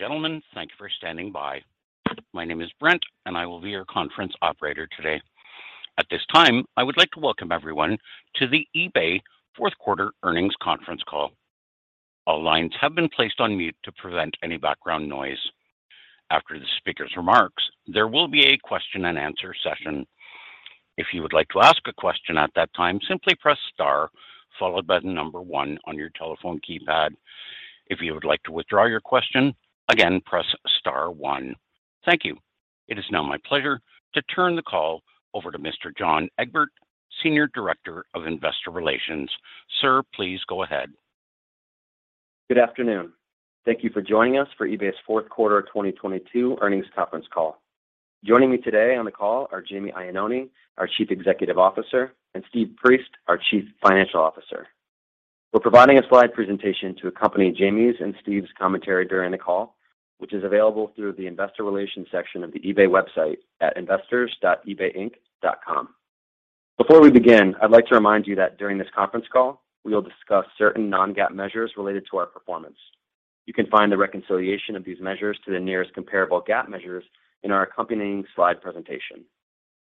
Ladies and gentlemen, thank you for standing by. My name is Brent, and I will be your conference operator today. At this time, I would like to welcome everyone to the eBay fourth quarter earnings conference call. All lines have been placed on mute to prevent any background noise. After the speaker's remarks, there will be a question and answer session. If you would like to ask a question at that time, simply press star followed by the number one on your telephone keypad. If you would like to withdraw your question, again, press star one. Thank you. It is now my pleasure to turn the call over to Mr. John Egbert, Senior Director of Investor Relations. Sir, please go ahead. Good afternoon. Thank you for joining us for eBay's fourth quarter of 2022 earnings conference call. Joining me today on the call are Jamie Iannone, our Chief Executive Officer, and Steve Priest, our Chief Financial Officer. We're providing a slide presentation to accompany Jamie's and Steve's commentary during the call, which is available through the investor relations section of the eBay website at investors.ebayinc.com. Before we begin, I'd like to remind you that during this conference call, we will discuss certain non-GAAP measures related to our performance. You can find the reconciliation of these measures to the nearest comparable GAAP measures in our accompanying slide presentation.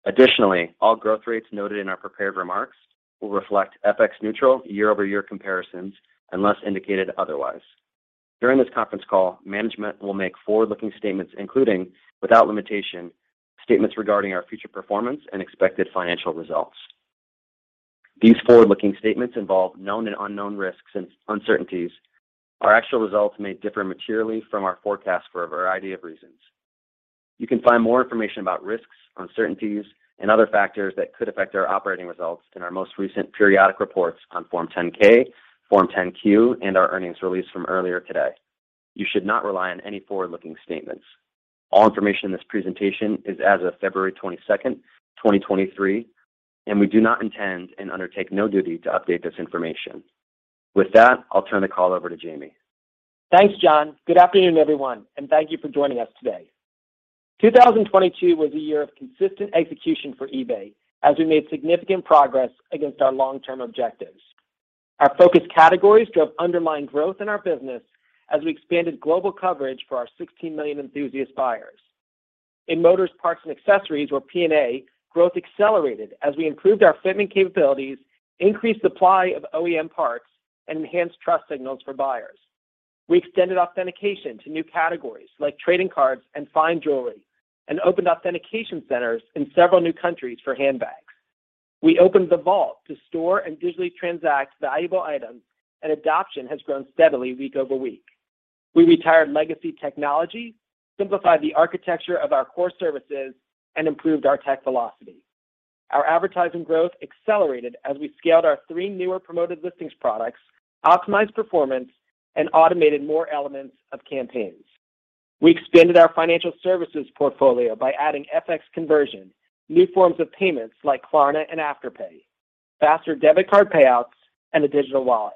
Additionally, all growth rates noted in our prepared remarks will reflect FX-neutral year-over-year comparisons unless indicated otherwise. During this conference call, management will make forward-looking statements, including, without limitation, statements regarding our future performance and expected financial results. These forward-looking statements involve known and unknown risks and uncertainties. Our actual results may differ materially from our forecast for a variety of reasons. You can find more information about risks, uncertainties, and other factors that could affect our operating results in our most recent periodic reports on Form 10-K, Form 10-Q, and our earnings release from earlier today. You should not rely on any forward-looking statements. All information in this presentation is as of February 22nd, 2023, and we do not intend and undertake no duty to update this information. With that, I'll turn the call over to Jamie. Thanks, John. Good afternoon, everyone, and thank you for joining us today. 2022 was a year of consistent execution for eBay as we made significant progress against our long-term objectives. Our focus categories drove underlying growth in our business as we expanded global coverage for our 16 million enthusiast buyers. In Motors Parts and Accessories or P&A, growth accelerated as we improved our fitment capabilities, increased supply of OEM parts, and enhanced trust signals for buyers. We extended authentication to new categories like trading cards and fine jewelry, and opened authentication centers in several new countries for handbags. We opened the Vault to store and digitally transact valuable items, and adoption has grown steadily week-over-week. We retired legacy technology, simplified the architecture of our core services, and improved our tech velocity. Our advertising growth accelerated as we scaled our three newer Promoted Listings products, optimized performance, and automated more elements of campaigns. We expanded our financial services portfolio by adding FX conversion, new forms of payments like Klarna and Afterpay, faster debit card payouts, and a digital wallet.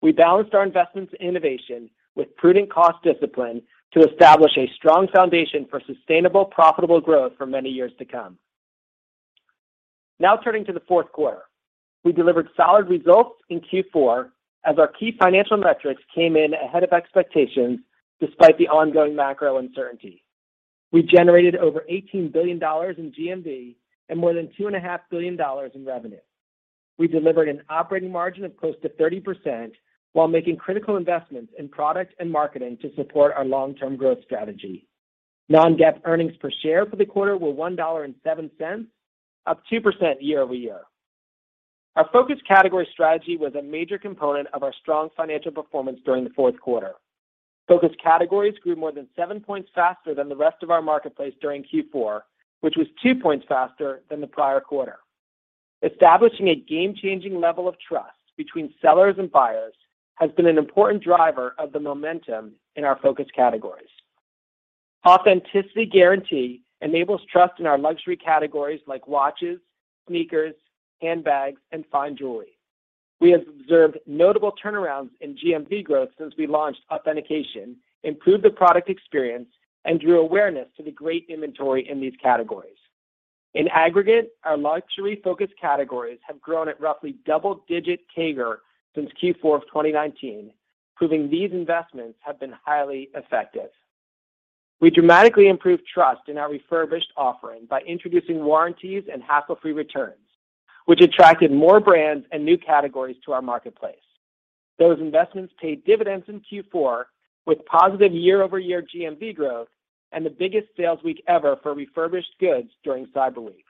We balanced our investments in innovation with prudent cost discipline to establish a strong foundation for sustainable, profitable growth for many years to come. Now turning to the fourth quarter. We delivered solid results in Q4 as our key financial metrics came in ahead of expectations despite the ongoing macro uncertainty. We generated over $18 billion in GMV and more than$2.5 dollars in revenue. We delivered an operating margin of close to 30% while making critical investments in product and marketing to support our long-term growth strategy. Non-GAAP earnings per share for the quarter were $1.07, up 2% year-over-year. Our focus category strategy was a major component of our strong financial performance during the fourth quarter. Focus categories grew more than seven points faster than the rest of our marketplace during Q4, which was two points faster than the prior quarter. Establishing a game-changing level of trust between sellers and buyers has been an important driver of the momentum in our focus categories. Authenticity Guarantee enables trust in our luxury categories like watches, sneakers, handbags, and fine jewelry. We have observed notable turnarounds in GMV growth since we launched authentication, improved the product experience, and drew awareness to the great inventory in these categories. In aggregate, our luxury focus categories have grown at roughly double-digit CAGR since Q4 of 2019, proving these investments have been highly effective. We dramatically improved trust in our refurbished offering by introducing warranties and hassle-free returns, which attracted more brands and new categories to our marketplace. Those investments paid dividends in Q4 with positive year-over-year GMV growth and the biggest sales week ever for refurbished goods during Cyber Week.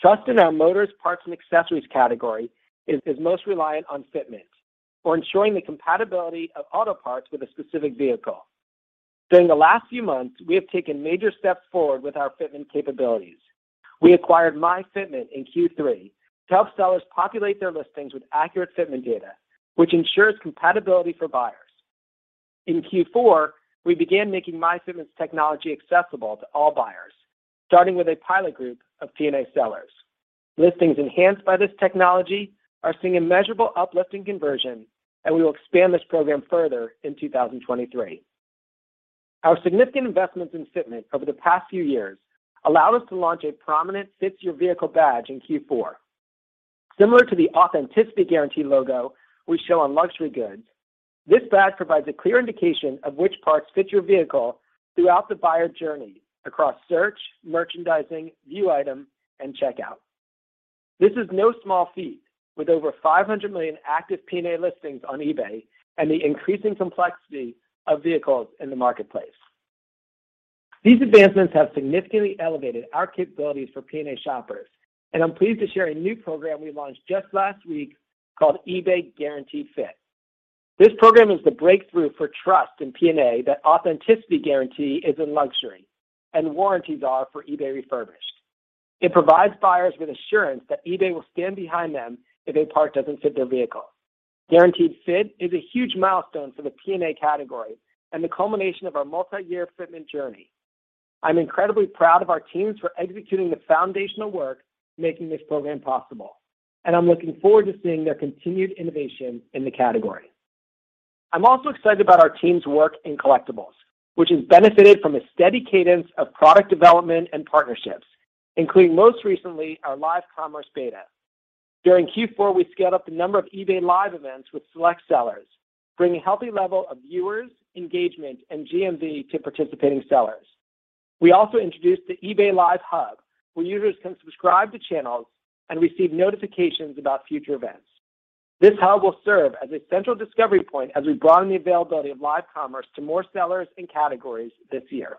Trust in our Motors Parts and accessories category is most reliant on fitment or ensuring the compatibility of auto parts with a specific vehicle. During the last few months, we have taken major steps forward with our fitment capabilities. We acquired MyFitment in Q3 to help sellers populate their listings with accurate fitment data, which ensures compatibility for buyers. In Q4, we began making MyFitment's technology accessible to all buyers, starting with a pilot group of P&A sellers. Listings enhanced by this technology are seeing a measurable uplift in conversion. We will expand this program further in 2023. Our significant investments in fitment over the past few years allowed us to launch a prominent Fits Your Vehicle badge in Q4. Similar to the Authenticity Guarantee logo we show on luxury goods, this badge provides a clear indication of which parts Fit Your Vehicle throughout the buyer journey across search, merchandising, view item, and checkout. This is no small feat with over 500 million active P&A listings on eBay and the increasing complexity of vehicles in the marketplace. These advancements have significantly elevated our capabilities for P&A shoppers, and I'm pleased to share a new program we launched just last week called eBay Guaranteed Fit. This program is the breakthrough for trust in P&A that Authenticity Guarantee is in luxury and warranties are for eBay Refurbished. It provides buyers with assurance that eBay will stand behind them if a part doesn't fit their vehicle. Guaranteed Fit is a huge milestone for the P&A category and the culmination of our multi-year fitment journey. I'm incredibly proud of our teams for executing the foundational work making this program possible, and I'm looking forward to seeing their continued innovation in the category. I'm also excited about our team's work in collectibles, which has benefited from a steady cadence of product development and partnerships, including most recently our live commerce beta. During Q4, we scaled up the number of eBay Live events with select sellers, bringing healthy level of viewers, engagement, and GMV to participating sellers. We also introduced the eBay Live Hub, where users can subscribe to channels and receive notifications about future events. This hub will serve as a central discovery point as we broaden the availability of live commerce to more sellers and categories this year.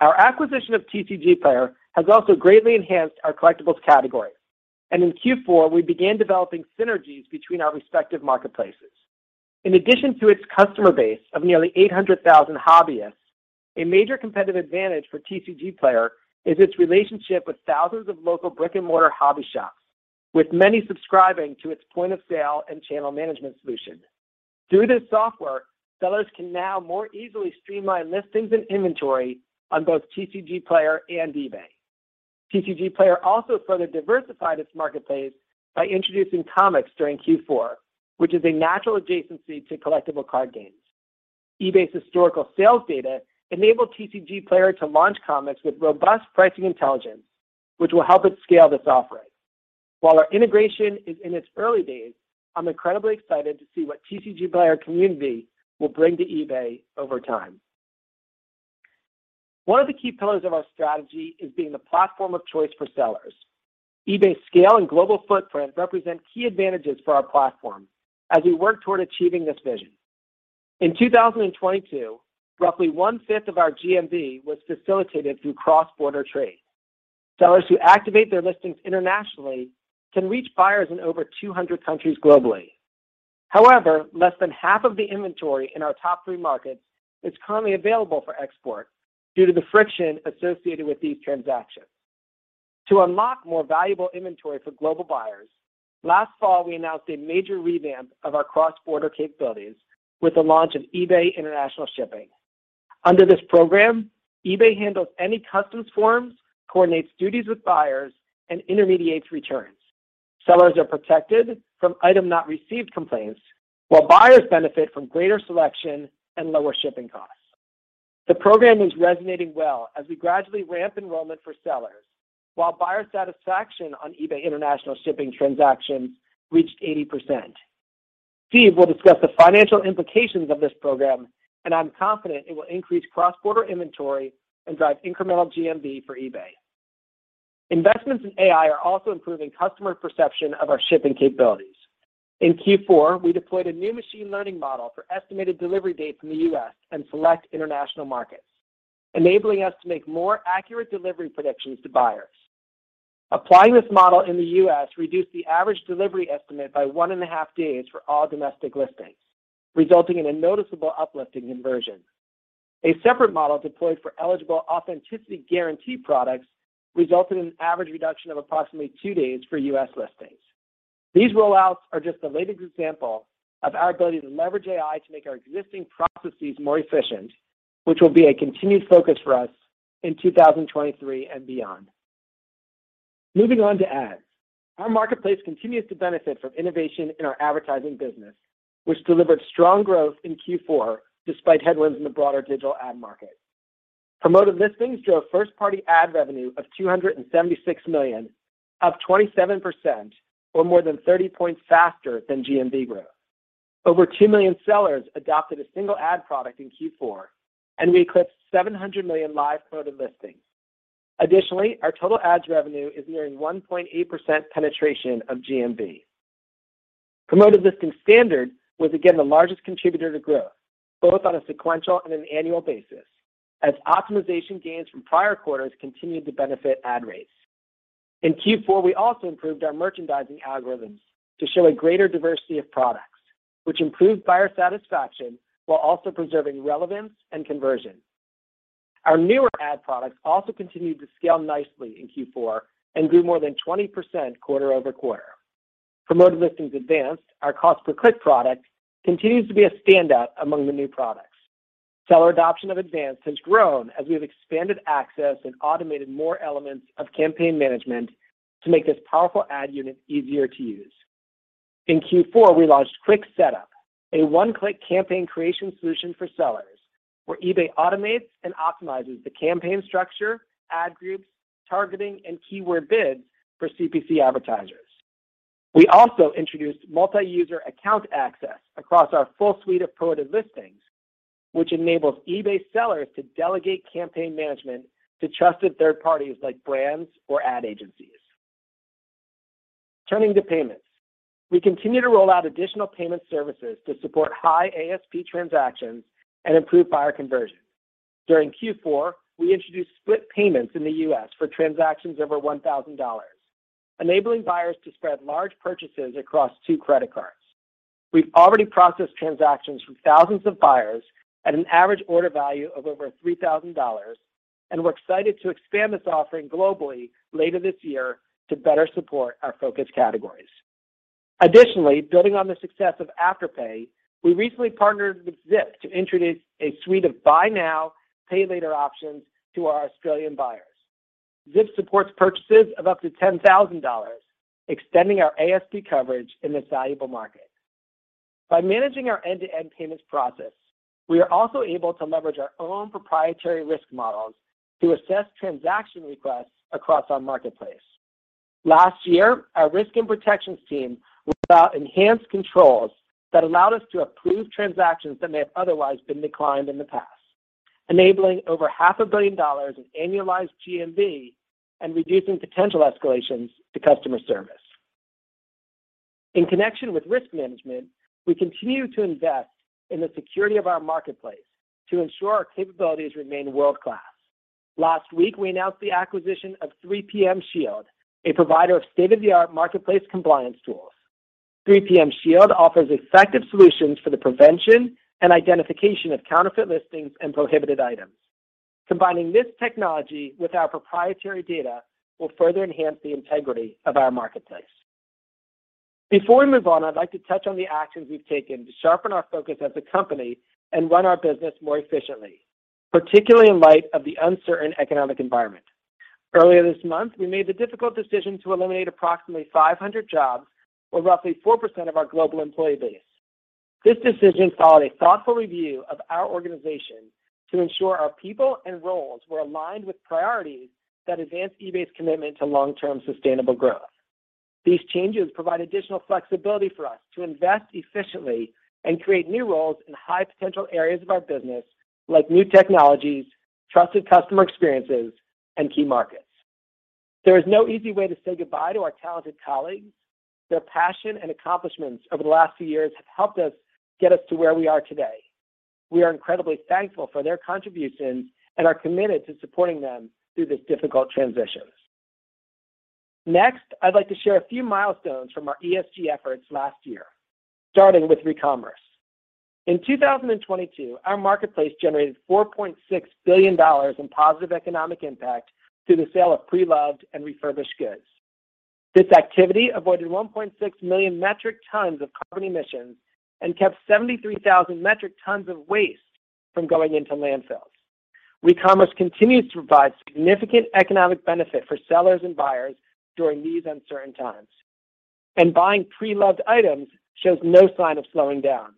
Our acquisition of TCGplayer has also greatly enhanced our collectibles category. In Q4, we began developing synergies between our respective marketplaces. In addition to its customer base of nearly 800,000 hobbyists, a major competitive advantage for TCGplayer is its relationship with thousands of local brick-and-mortar hobby shops, with many subscribing to its point-of-sale and channel management solution. Through this software, sellers can now more easily streamline listings and inventory on both TCGplayer and eBay. TCGplayer also further diversified its marketplace by introducing comics during Q4, which is a natural adjacency to collectible card games. eBay's historical sales data enabled TCGplayer to launch comics with robust pricing intelligence, which will help it scale this offering. While our integration is in its early days, I'm incredibly excited to see what TCGplayer community will bring to eBay over time. One of the key pillars of our strategy is being the platform of choice for sellers. eBay's scale and global footprint represent key advantages for our platform as we work toward achieving this vision. In 2022, roughly one-fifth of our GMV was facilitated through cross-border trade. Sellers who activate their listings internationally can reach buyers in over 200 countries globally. However, less than half of the inventory in our top three markets is currently available for export due to the friction associated with these transactions. To unlock more valuable inventory for global buyers, last fall, we announced a major revamp of our cross-border capabilities with the launch of eBay International Shipping. Under this program, eBay handles any customs forms, coordinates duties with buyers, and intermediates returns. Sellers are protected from item not received complaints, while buyers benefit from greater selection and lower shipping costs. The program is resonating well as we gradually ramp enrollment for sellers, while buyer satisfaction on eBay International Shipping transactions reached 80%. Steve will discuss the financial implications of this program. I'm confident it will increase cross-border inventory and drive incremental GMV for eBay. Investments in AI are also improving customer perception of our shipping capabilities. In Q4, we deployed a new machine learning model for estimated delivery dates in the U.S. and select international markets, enabling us to make more accurate delivery predictions to buyers. Applying this model in the U.S. reduced the average delivery estimate by one and a half days for all domestic listings, resulting in a noticeable uplift in conversion. A separate model deployed for eligible Authenticity Guarantee products resulted in an average reduction of approximately two days for U.S. listings. These rollouts are just the latest example of our ability to leverage AI to make our existing processes more efficient, which will be a continued focus for us in 2023 and beyond. Moving on to ads. Our marketplace continues to benefit from innovation in our advertising business, which delivered strong growth in Q four despite headwinds in the broader digital ad market. Promoted Listings drove first-party ad revenue of $276 million, up 27% or more than 30 points faster than GMV growth. Over two million sellers adopted a single ad product in Q four, and we eclipsed 700 million live Promoted Listings. Additionally, our total ads revenue is nearing 1.8% penetration of GMV. Promoted Listings Standard was again the largest contributor to growth, both on a sequential and an annual basis, as optimization gains from prior quarters continued to benefit ad rates. In Q4, we also improved our merchandising algorithms to show a greater diversity of products, which improved buyer satisfaction while also preserving relevance and conversion. Our newer ad products also continued to scale nicely in Q4 and grew more than 20% quarter-over-quarter. Promoted Listings Advanced, our cost-per-click product, continues to be a standout among the new products. Seller adoption of Advanced has grown as we have expanded access and automated more elements of campaign management to make this powerful ad unit easier to use. In Q4, we launched Quick setup, a one-click campaign creation solution for sellers, where eBay automates and optimizes the campaign structure, ad groups, targeting, and keyword bids for CPC advertisers. We also introduced Multi-User Account Access across our full suite of Promoted Listings, which enables eBay sellers to delegate campaign management to trusted third parties like brands or ad agencies. Turning to payments. We continue to roll out additional payment services to support high ASP transactions and improve buyer conversion. During Q4, we introduced split payments in the U.S. for transactions over $1,000, enabling buyers to spread large purchases across two credit cards. We've already processed transactions from thousands of buyers at an average order value of over $3,000, and we're excited to expand this offering globally later this year to better support our focus categories. Building on the success of Afterpay, we recently partnered with Zip to introduce a suite of buy now, pay later options to our Australian buyers. Zip supports purchases of up to $10,000, extending our ASP coverage in this valuable market. By managing our end-to-end payments process, we are also able to leverage our own proprietary risk models to assess transaction requests across our marketplace. Last year, our risk and protections team rolled out enhanced controls that allowed us to approve transactions that may have otherwise been declined in the past, enabling over $500 million in annualized GMV and reducing potential escalations to customer service. In connection with risk management, we continue to invest in the security of our marketplace to ensure our capabilities remain world-class. Last week, we announced the acquisition of 3PM Shield, a provider of state-of-the-art marketplace compliance tools. 3PM Shield offers effective solutions for the prevention and identification of counterfeit listings and prohibited items. Combining this technology with our proprietary data will further enhance the integrity of our marketplace. Before we move on, I'd like to touch on the actions we've taken to sharpen our focus as a company and run our business more efficiently, particularly in light of the uncertain economic environment. Earlier this month, we made the difficult decision to eliminate approximately 500 jobs or roughly 4% of our global employee base. This decision followed a thoughtful review of our organization to ensure our people and roles were aligned with priorities that advance eBay's commitment to long-term sustainable growth. These changes provide additional flexibility for us to invest efficiently and create new roles in high-potential areas of our business like new technologies, trusted customer experiences, and key markets. There is no easy way to say goodbye to our talented colleagues. Their passion and accomplishments over the last few years have helped us get us to where we are today. We are incredibly thankful for their contributions and are committed to supporting them through this difficult transition. I'd like to share a few milestones from our ESG efforts last year, starting with Recommerce. In 2022, our marketplace generated $4.6 billion in positive economic impact through the sale of pre-loved and refurbished goods. This activity avoided 1.6 million metric tons of carbon emissions and kept 73,000 metric tons of waste from going into landfills. Recommerce continues to provide significant economic benefit for sellers and buyers during these uncertain times, buying pre-loved items shows no sign of slowing down.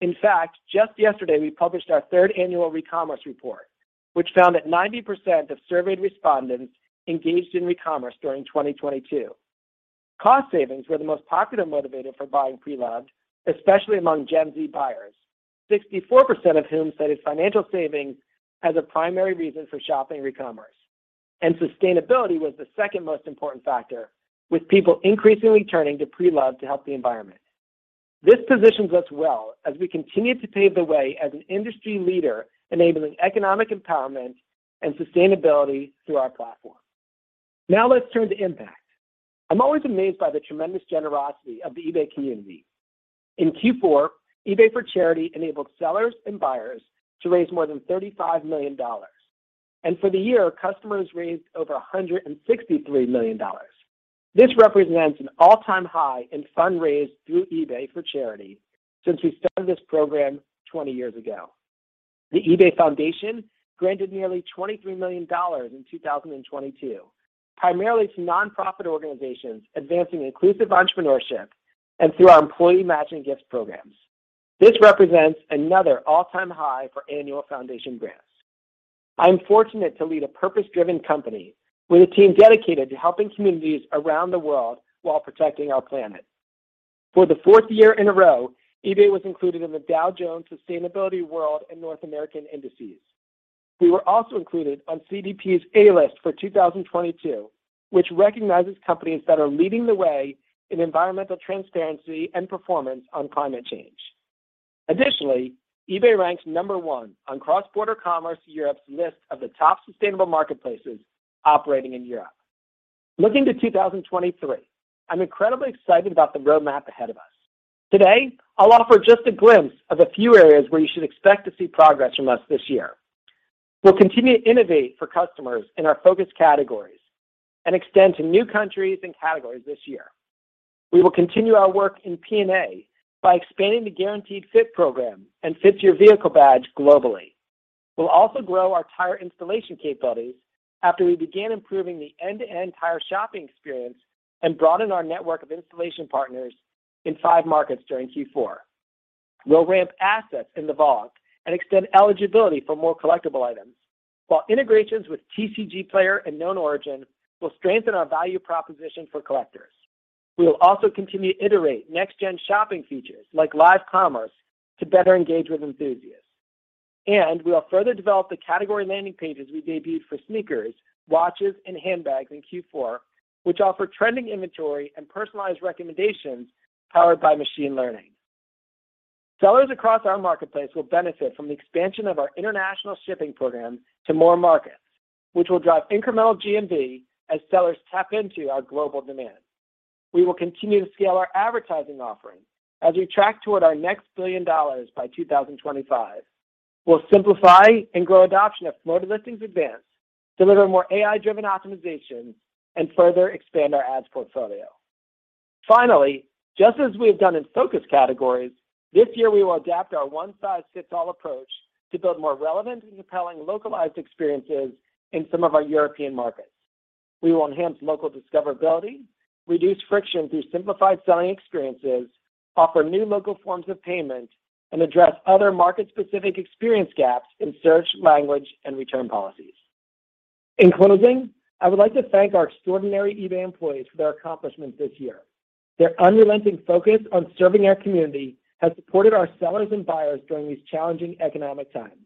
In fact, just yesterday, we published our third annual Recommerce report, which found that 90% of surveyed respondents engaged in Recommerce during 2022. Cost savings were the most popular motivator for buying pre-loved, especially among Gen Z buyers, 64% of whom cited financial savings as a primary reason for shopping Recommerce. Sustainability was the second most important factor, with people increasingly turning to pre-loved to help the environment. This positions us well as we continue to pave the way as an industry leader, enabling economic empowerment and sustainability through our platform. Now let's turn to impact. I'm always amazed by the tremendous generosity of the eBay community. In Q4, eBay for Charity enabled sellers and buyers to raise more than $35 million, and for the year, customers raised over $163 million. This represents an all-time high in fundraised through eBay for Charity since we started this program 20 years ago. The eBay Foundation granted nearly $23 million in 2022, primarily to nonprofit organizations advancing inclusive entrepreneurship and through our employee matching gift programs. This represents another all-time high for annual foundation grants. I'm fortunate to lead a purpose-driven company with a team dedicated to helping communities around the world while protecting our planet. For the fourth year in a row, eBay was included in the Dow Jones Sustainability World and North America Indices. We were also included on CDP's A List for 2022, which recognizes companies that are leading the way in environmental transparency and performance on climate change. Additionally, eBay ranks number one on Cross-Border Commerce Europe's list of the top sustainable marketplaces operating in Europe. Looking to 2023, I'm incredibly excited about the roadmap ahead of us. Today, I'll offer just a glimpse of a few areas where you should expect to see progress from us this year. We'll continue to innovate for customers in our focus categories and extend to new countries and categories this year. We will continue our work in P&A by expanding the Guaranteed Fit program and Fits Your Vehicle badge globally. We'll also grow our tire installation capabilities after we began improving the end-to-end tire shopping experience and broaden our network of installation partners in five markets during Q4. We'll ramp assets in the eBay Vault and extend eligibility for more collectible items, while integrations with TCGplayer and KnownOrigin will strengthen our value proposition for collectors. We will also continue to iterate next-gen shopping features like live commerce to better engage with enthusiasts. We will further develop the category landing pages we debuted for sneakers, watches, and handbags in Q4, which offer trending inventory and personalized recommendations powered by machine learning. Sellers across our marketplace will benefit from the expansion of our eBay International Shipping program to more markets, which will drive incremental GMV as sellers tap into our global demand. We will continue to scale our advertising offering as we track toward our next $1 billion by 2025. We'll simplify and grow adoption of Promoted Listings Advanced, deliver more AI-driven optimization, and further expand our ads portfolio. Finally, just as we have done in focus categories, this year we will adapt our one-size-fits-all approach to build more relevant and compelling localized experiences in some of our European markets. We will enhance local discoverability, reduce friction through simplified selling experiences, offer new local forms of payment, and address other market-specific experience gaps in search, language, and return policies. In closing, I would like to thank our extraordinary eBay employees for their accomplishments this year. Their unrelenting focus on serving our community has supported our sellers and buyers during these challenging economic times.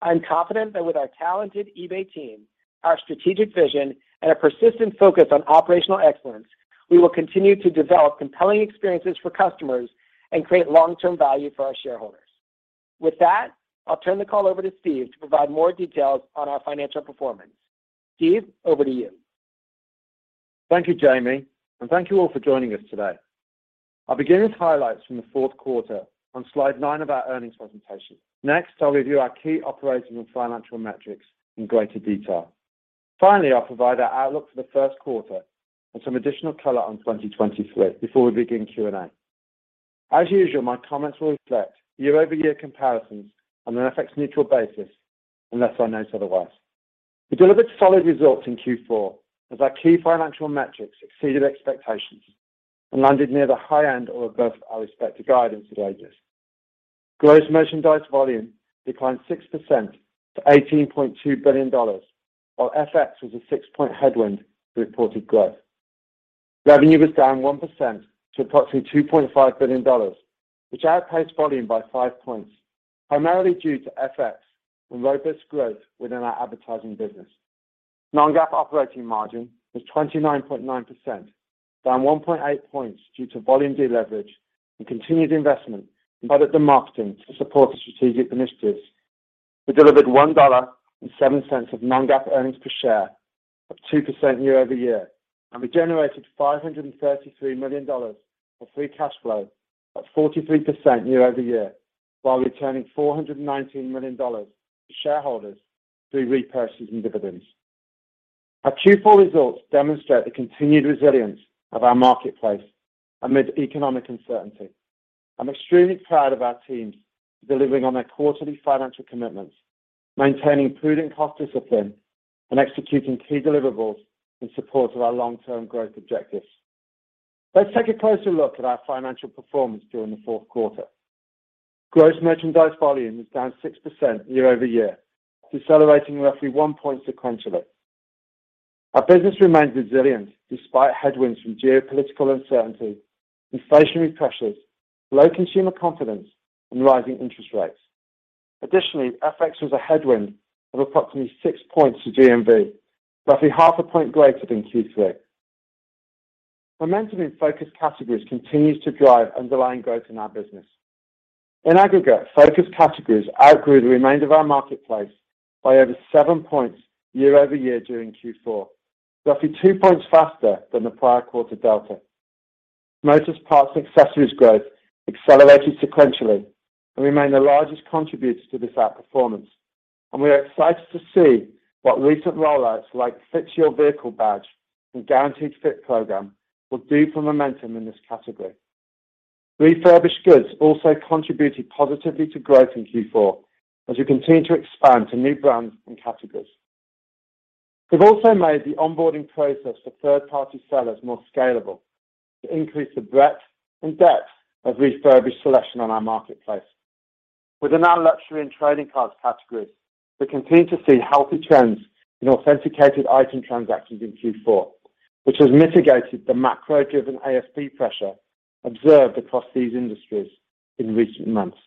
I'm confident that with our talented eBay team, our strategic vision, and a persistent focus on operational excellence, we will continue to develop compelling experiences for customers and create long-term value for our shareholders. With that, I'll turn the call over to Steve to provide more details on our financial performance. Steve, over to you. Thank you, Jamie. Thank you all for joining us today. I'll begin with highlights from the fourth quarter on slide nine of our earnings presentation. I'll review our key operating and financial metrics in greater detail. I'll provide our outlook for the first quarter and some additional color on 2023 before we begin Q&A. As usual, my comments will reflect year-over-year comparisons on an FX-neutral basis unless I note otherwise. We delivered solid results in Q4 as our key financial metrics exceeded expectations and landed near the high end or above our expected guidance ranges. Gross merchandise volume declined 6% to $18.2 billion, while FX was a six-point headwind to reported growth. Revenue was down 1% to approximately $2.5 billion, which outpaced volume by five points, primarily due to FX and robust growth within our advertising business. Non-GAAP operating margin was 29.9%, down 1.8 points due to volume deleverage and continued investment in product and marketing to support the strategic initiatives. We delivered $1.07 of non-GAAP earnings per share of 2% year-over-year, and we generated $533 million of free cash flow at 43% year-over-year, while returning $419 million to shareholders through repurchases and dividends. Our Q4 results demonstrate the continued resilience of our marketplace amid economic uncertainty. I'm extremely proud of our teams delivering on their quarterly financial commitments, maintaining prudent cost discipline, and executing key deliverables in support of our long-term growth objectives. Let's take a closer look at our financial performance during the fourth quarter. Gross merchandise volume was down 6% year-over-year, decelerating roughly one point sequentially. Our business remains resilient despite headwinds from geopolitical uncertainty, inflationary pressures, low consumer confidence, and rising interest rates. FX was a headwind of approximately six points to GMV, roughly half a point greater than Q3. Momentum in focus categories continues to drive underlying growth in our business. In aggregate, focus categories outgrew the remainder of our marketplace by over seven points year-over-year during Q4, roughly two points faster than the prior quarter delta. Motors Parts and Accessories growth accelerated sequentially and remain the largest contributor to this outperformance, and we are excited to see what recent rollouts like Fit Your Vehicle badge and Guaranteed Fit program will do for momentum in this category. Refurbished goods also contributed positively to growth in Q4 as we continue to expand to new brands and categories. We've also made the onboarding process for third-party sellers more scalable to increase the breadth and depth of refurbished selection on our marketplace. Within our luxury and trading cards categories, we continue to see healthy trends in authenticated item transactions in Q4, which has mitigated the macro-driven ASP pressure observed across these industries in recent months.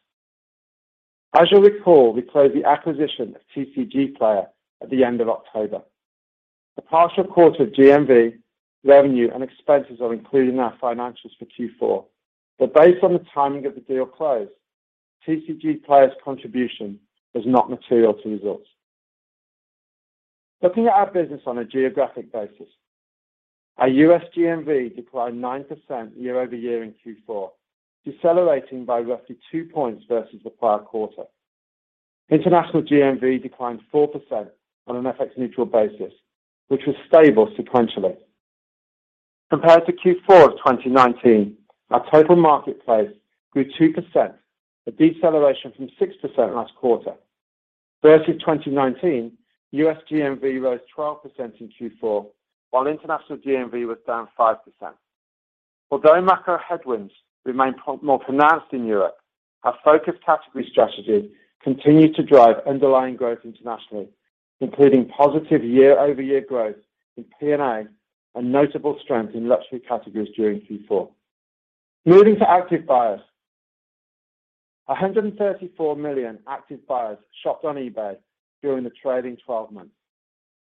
As you'll recall, we closed the acquisition of TCGplayer at the end of October. The partial quarter GMV revenue and expenses are included in our financials for Q4, but based on the timing of the deal close, TCGplayer's contribution was not material to results. Looking at our business on a geographic basis, our U.S. GMV declined 9% year-over-year in Q4, decelerating by roughly two points versus the prior quarter. International GMV declined 4% on an FX-neutral basis, which was stable sequentially. Compared to Q4 of 2019, our total marketplace grew 2%, a deceleration from 6% last quarter. Versus 2019, U.S. GMV rose 12% in Q4, while International GMV was down 5%. Although macro headwinds remain more pronounced in Europe, our focused category strategy continued to drive underlying growth internationally, including positive year-over-year growth in P&A and notable strength in luxury categories during Q4. Moving to active buyers, 134 million active buyers shopped on eBay during the trading 12 months.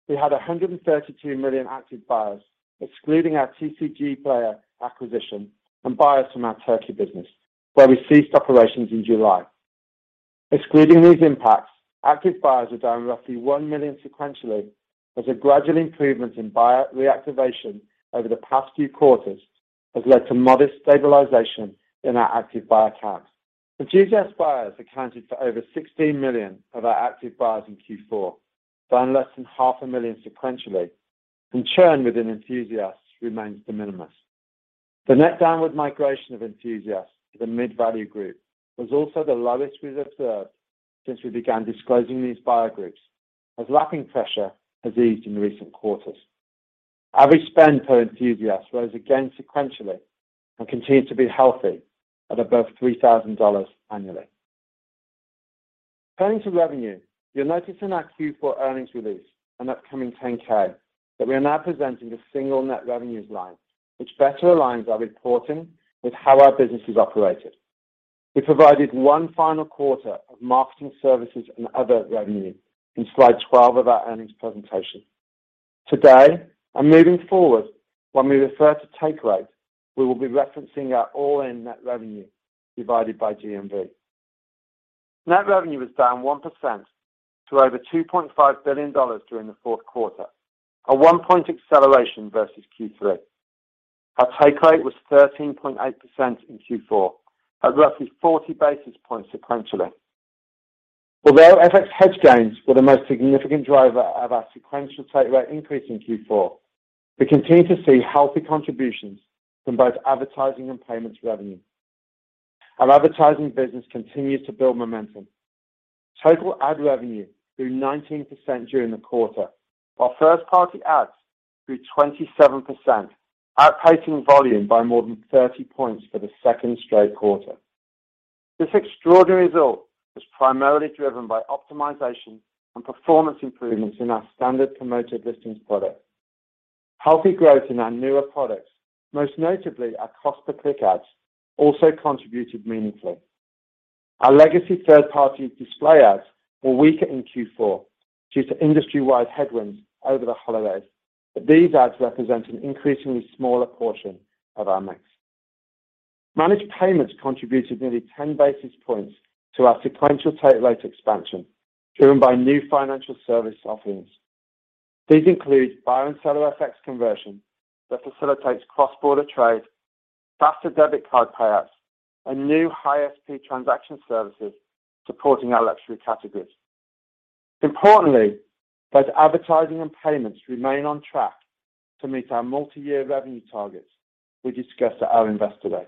We had 132 million active buyers excluding our TCGplayer acquisition and buyers from our Turkey business, where we ceased operations in July. Excluding these impacts, active buyers are down roughly one million sequentially as a gradual improvement in buyer reactivation over the past few quarters has led to modest stabilization in our active buyer counts. Enthusiast buyers accounted for over 16 million of our active buyers in Q4, down less than half a million sequentially, and churn within enthusiasts remains de minimis. The net downward migration of enthusiasts to the mid-value group was also the lowest we've observed since we began disclosing these buyer groups, as lapping pressure has eased in recent quarters. Average spend per enthusiast rose again sequentially and continued to be healthy at above $3,000 annually. Turning to revenue, you'll notice in our Q4 earnings release and upcoming 10-K that we are now presenting a single net revenues line which better aligns our reporting with how our business is operated. We provided one final quarter of marketing services and other revenue in slide 12 of our earnings presentation. Today, and moving forward, when we refer to take rate, we will be referencing our all-in net revenue divided by GMV. Net revenue was down 1% to over $2.5 billion during the fourth quarter, a one point acceleration versus Q3. Our take rate was 13.8% in Q4 at roughly 40 basis points sequentially. Although FX hedge gains were the most significant driver of our sequential take rate increase in Q4, we continue to see healthy contributions from both advertising and payments revenue. Our advertising business continues to build momentum. Total ad revenue grew 19% during the quarter, while first-party ads grew 27%, outpacing volume by more than 30 points for the second straight quarter. This extraordinary result was primarily driven by optimization and performance improvements in our Promoted Listings Standard product. Healthy growth in our newer products, most notably our cost-per-click ads, also contributed meaningfully. Our legacy third-party display ads were weaker in Q4 due to industry-wide headwinds over the holidays, but these ads represent an increasingly smaller portion of our mix. Managed payments contributed nearly 10 basis points to our sequential take rate expansion, driven by new financial service offerings. These include buyer and seller FX conversion that facilitates cross-border trade, faster debit card payouts, and new high ASP transaction services supporting our luxury categories. Importantly, both advertising and payments remain on track to meet our multi-year revenue targets we discussed at our Investor Day.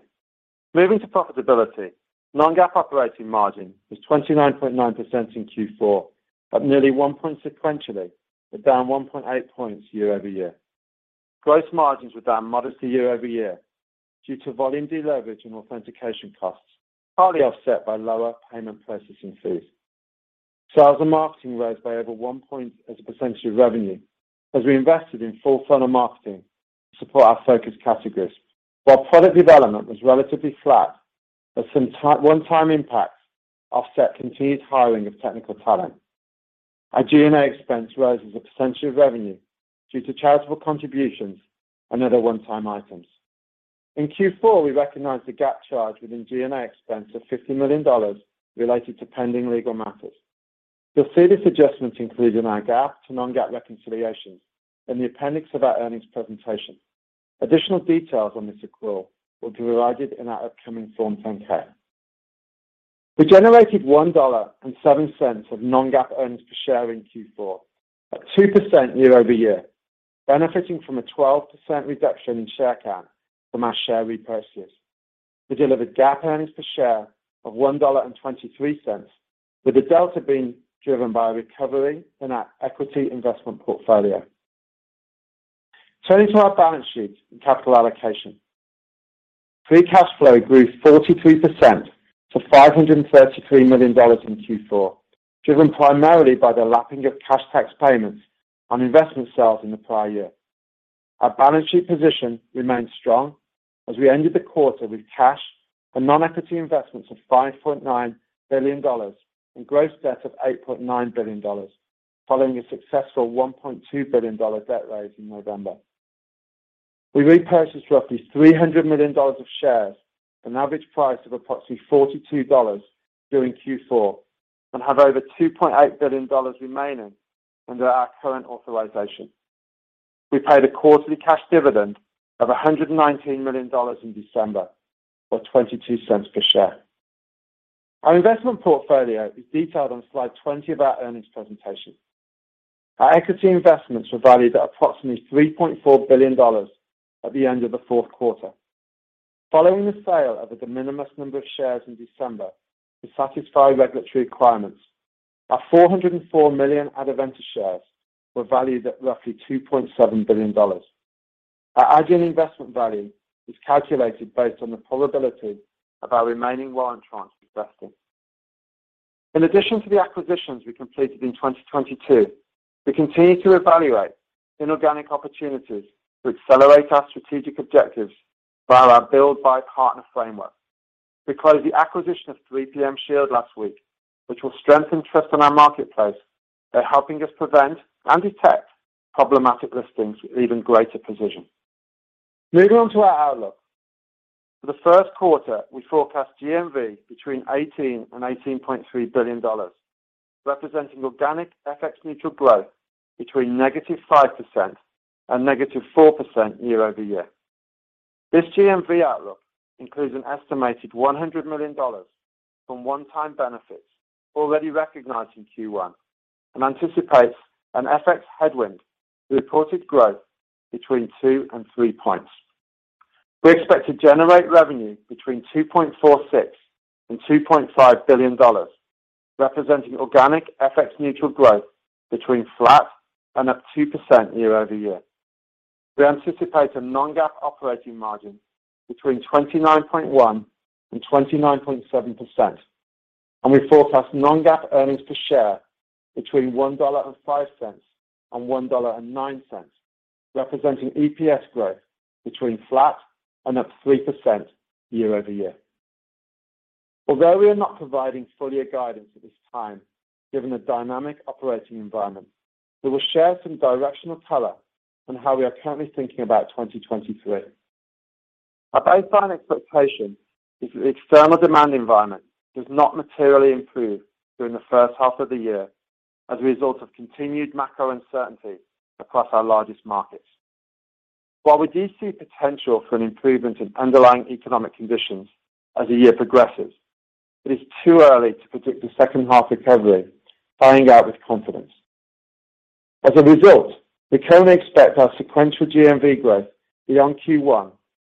Moving to profitability, non-GAAP operating margin was 29.9% in Q4, up nearly one point sequentially, but down 1.8 points year-over-year. Gross margins were down modestly year-over-year due to volume deleverage and authentication costs, partly offset by lower payment processing fees. Sales and marketing rose by over one point as a percentage of revenue as we invested in full funnel marketing to support our focus categories, while product development was relatively flat as some one-time impacts offset continued hiring of technical talent. Our G&A expense rose as a percentage of revenue due to charitable contributions and other one-time items. In Q4, we recognized a GAAP charge within G&A expense of $50 million related to pending legal matters. You'll see this adjustment included in our GAAP to non-GAAP reconciliations in the appendix of our earnings presentation. Additional details on this accrual will be provided in our upcoming Form 10-K. We generated $1.07 of non-GAAP earnings per share in Q4 at 2% year-over-year, benefiting from a 12% reduction in share count from our share repurchases. We delivered GAAP earnings per share of $1.23, with the delta being driven by recovery in our equity investment portfolio. Turning to our balance sheet and capital allocation. Free cash flow grew 43% to $533 million in Q4, driven primarily by the lapping of cash tax payments on investment sales in the prior year. Our balance sheet position remains strong as we ended the quarter with cash and non-equity investments of $5.9 billion and gross debt of $8.9 billion following a successful $1.2 billion debt raise in November. We repurchased roughly $300 million of shares, an average price of approximately $42 during Q4, and have over $2.8 billion remaining under our current authorization. We paid a quarterly cash dividend of $119 million in December, or $0.22 per share. Our investment portfolio is detailed on slide 20 of our earnings presentation. Our equity investments were valued at approximately $3.4 billion at the end of the fourth quarter. Following the sale of a de minimis number of shares in December to satisfy regulatory requirements, our 404 million Adevinta shares were valued at roughly $2.7 billion. Our agile investment value is calculated based on the probability of our remaining warrant interest investing. In addition to the acquisitions we completed in 2022, we continue to evaluate inorganic opportunities to accelerate our strategic objectives via our build-buy-partner framework. We closed the acquisition of 3PM Shield last week, which will strengthen trust in our marketplace by helping us prevent and detect problematic listings with even greater precision. Moving on to our outlook. For the first quarter, we forecast GMV between $18 billion and $18.3 billion, representing organic FX-neutral growth between -5% and -4% year-over-year. This GMV outlook includes an estimated $100 million from one-time benefits already recognized in Q1 and anticipates an FX headwind to reported growth between two and three points. We expect to generate revenue between $2.46 billion and $2.5 billion, representing organic FX-neutral growth between flat and up 2% year-over-year. We anticipate a non-GAAP operating margin between 29.1% and 29.7%. We forecast non-GAAP earnings per share between $1.05 and $1.09, representing EPS growth between flat and up 3% year-over-year. Although we are not providing full year guidance at this time, given the dynamic operating environment, we will share some directional color on how we are currently thinking about 2023. Our baseline expectation is that the external demand environment does not materially improve during the first half of the year as a result of continued macro uncertainty across our largest markets. While we do see potential for an improvement in underlying economic conditions as the year progresses, it is too early to predict the second half recovery playing out with confidence. As a result, we currently expect our sequential GMV growth beyond Q1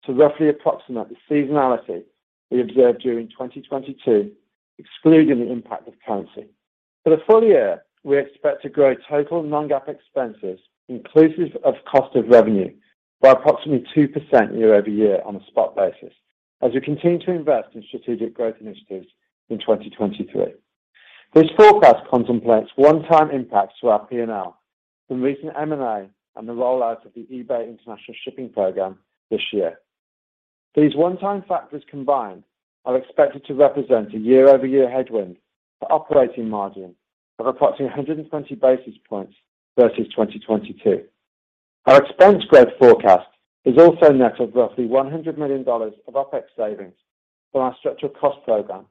to roughly approximate the seasonality we observed during 2022, excluding the impact of currency. For the full year, we expect to grow total non-GAAP expenses inclusive of cost of revenue by approximately 2% year-over-year on a spot basis as we continue to invest in strategic growth initiatives in 2023. This forecast contemplates one-time impacts to our P&L from recent M&A and the rollout of the eBay International Shipping program this year. These one-time factors combined are expected to represent a year-over-year headwind for operating margin of approximately 120 basis points versus 2022. Our expense growth forecast is also net of roughly $100 million of Opex savings from our structural cost program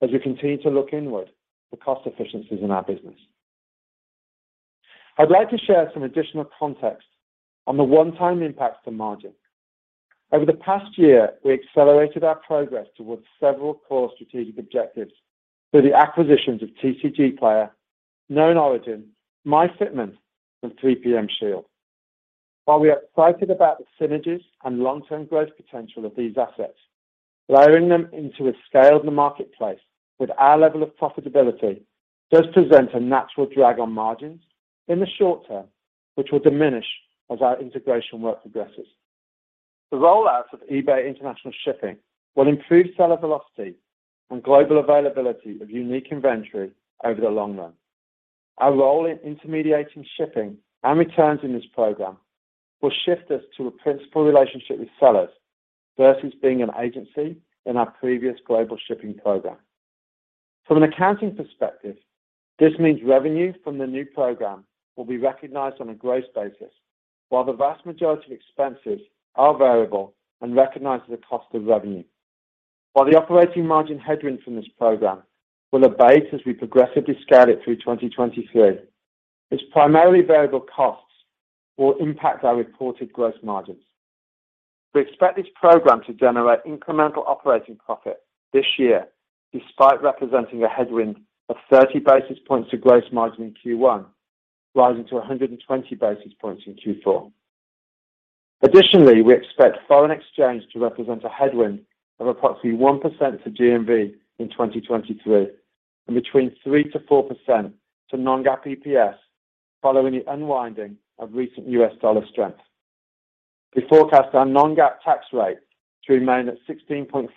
as we continue to look inward for cost efficiencies in our business. I'd like to share some additional context on the one-time impacts to margin. Over the past year, we accelerated our progress towards several core strategic objectives through the acquisitions of TCGplayer, KnownOrigin, MyFitment, and 3PM Shield. While we are excited about the synergies and long-term growth potential of these assets, lowering them into a scaled marketplace with our level of profitability does present a natural drag on margins in the short term, which will diminish as our integration work progresses. The rollout of eBay International Shipping will improve seller velocity and global availability of unique inventory over the long run. Our role in intermediating shipping and returns in this program will shift us to a principal relationship with sellers versus being an agency in our previous global shipping program. From an accounting perspective, this means revenue from the new program will be recognized on a gross basis, while the vast majority of expenses are variable and recognized as a cost of revenue. While the operating margin headwind from this program will abate as we progressively scale it through 2023, its primarily variable costs will impact our reported gross margins. We expect this program to generate incremental operating profit this year, despite representing a headwind of 30 basis points to gross margin in Q1, rising to 120 basis points in Q4. Additionally, we expect foreign exchange to represent a headwind of approximately 1% to GMV in 2023 and between 3%-4% to non-GAAP EPS following the unwinding of recent U.S. Dollar strength. We forecast our non-GAAP tax rate to remain at 16.5%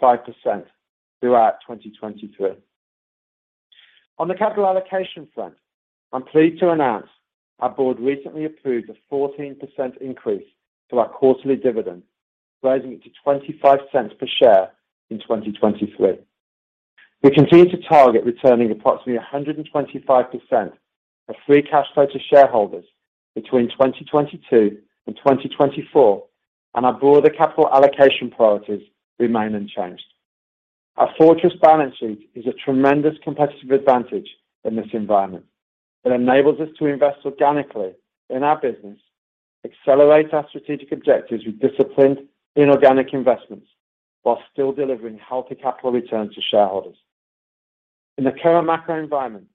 throughout 2023. On the capital allocation front, I'm pleased to announce our board recently approved a 14% increase to our quarterly dividend, rising it to $0.25 per share in 2023. We continue to target returning approximately 125% of free cash flow to shareholders between 2022 and 2024. Our broader capital allocation priorities remain unchanged. Our fortress balance sheet is a tremendous competitive advantage in this environment. It enables us to invest organically in our business, accelerate our strategic objectives with disciplined inorganic investments, while still delivering healthy capital returns to shareholders. In the current macro environment,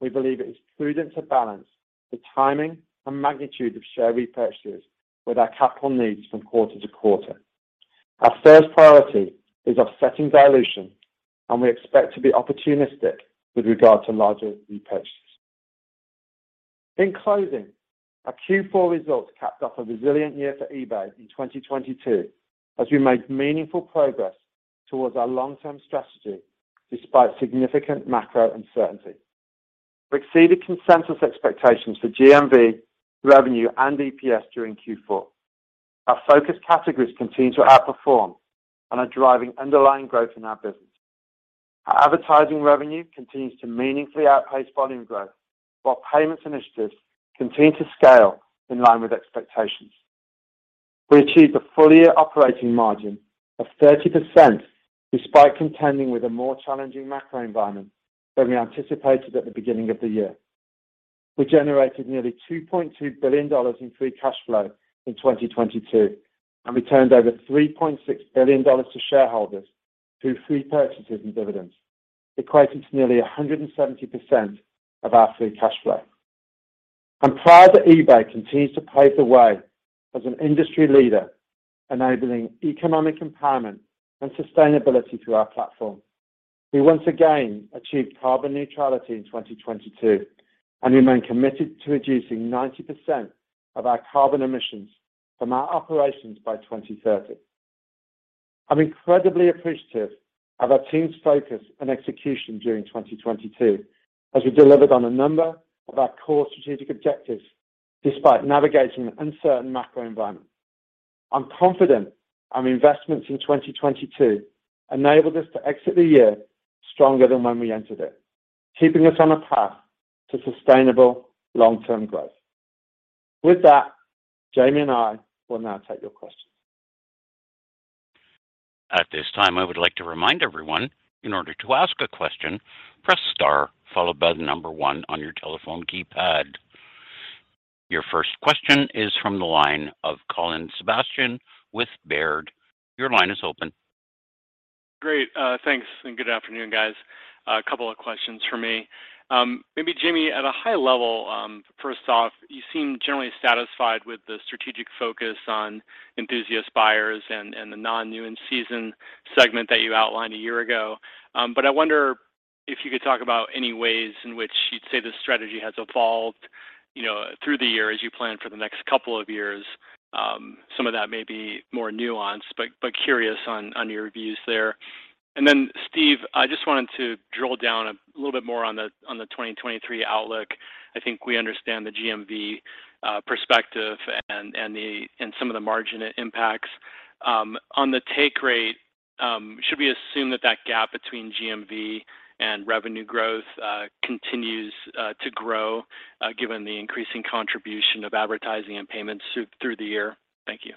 we believe it is prudent to balance the timing and magnitude of share repurchases with our capital needs from quarter-to-quarter. Our first priority is offsetting dilution, and we expect to be opportunistic with regard to larger repurchases. In closing, our Q4 results capped off a resilient year for eBay in 2022 as we made meaningful progress towards our long-term strategy despite significant macro uncertainty. We exceeded consensus expectations for GMV, revenue, and EPS during Q4. Our focus categories continue to outperform and are driving underlying growth in our business. Our advertising revenue continues to meaningfully outpace volume growth, while payments initiatives continue to scale in line with expectations. We achieved a full-year operating margin of 30% despite contending with a more challenging macro environment than we anticipated at the beginning of the year. We generated nearly $2.2 billion in free cash flow in 2022 and returned over $3.6 billion to shareholders through share purchases and dividends, equating to nearly 170% of our free cash flow. I'm proud that eBay continues to pave the way as an industry leader, enabling economic empowerment and sustainability through our platform. We once again achieved carbon neutrality in 2022, and remain committed to reducing 90% of our carbon emissions from our operations by 2030. I'm incredibly appreciative of our team's focus and execution during 2022 as we delivered on a number of our core strategic objectives despite navigating an uncertain macro environment. I'm confident our investments in 2022 enabled us to exit the year stronger than when we entered it, keeping us on a path to sustainable long-term growth. With that, Jamie and I will now take your questions. At this time, I would like to remind everyone, in order to ask a question, press star followed by one on your telephone keypad. Your first question is from the line of Colin Sebastian with Baird. Your line is open. Great. Thanks, and good afternoon, guys. A couple of questions from me. Maybe Jamie, at a high level, first off, you seem generally satisfied with the strategic focus on enthusiast buyers and the non-new in-season segment that you outlined a year ago. I wonder if you could talk about any ways in which you'd say this strategy has evolved, you know, through the year as you plan for the next couple of years. Some of that may be more nuanced, but curious on your views there. Steve, I just wanted to drill down a little bit more on the 2023 outlook. I think we understand the GMV perspective and some of the margin impacts. On the take rate, should we assume that that gap between GMV and revenue growth continues to grow given the increasing contribution of advertising and payments through the year? Thank you.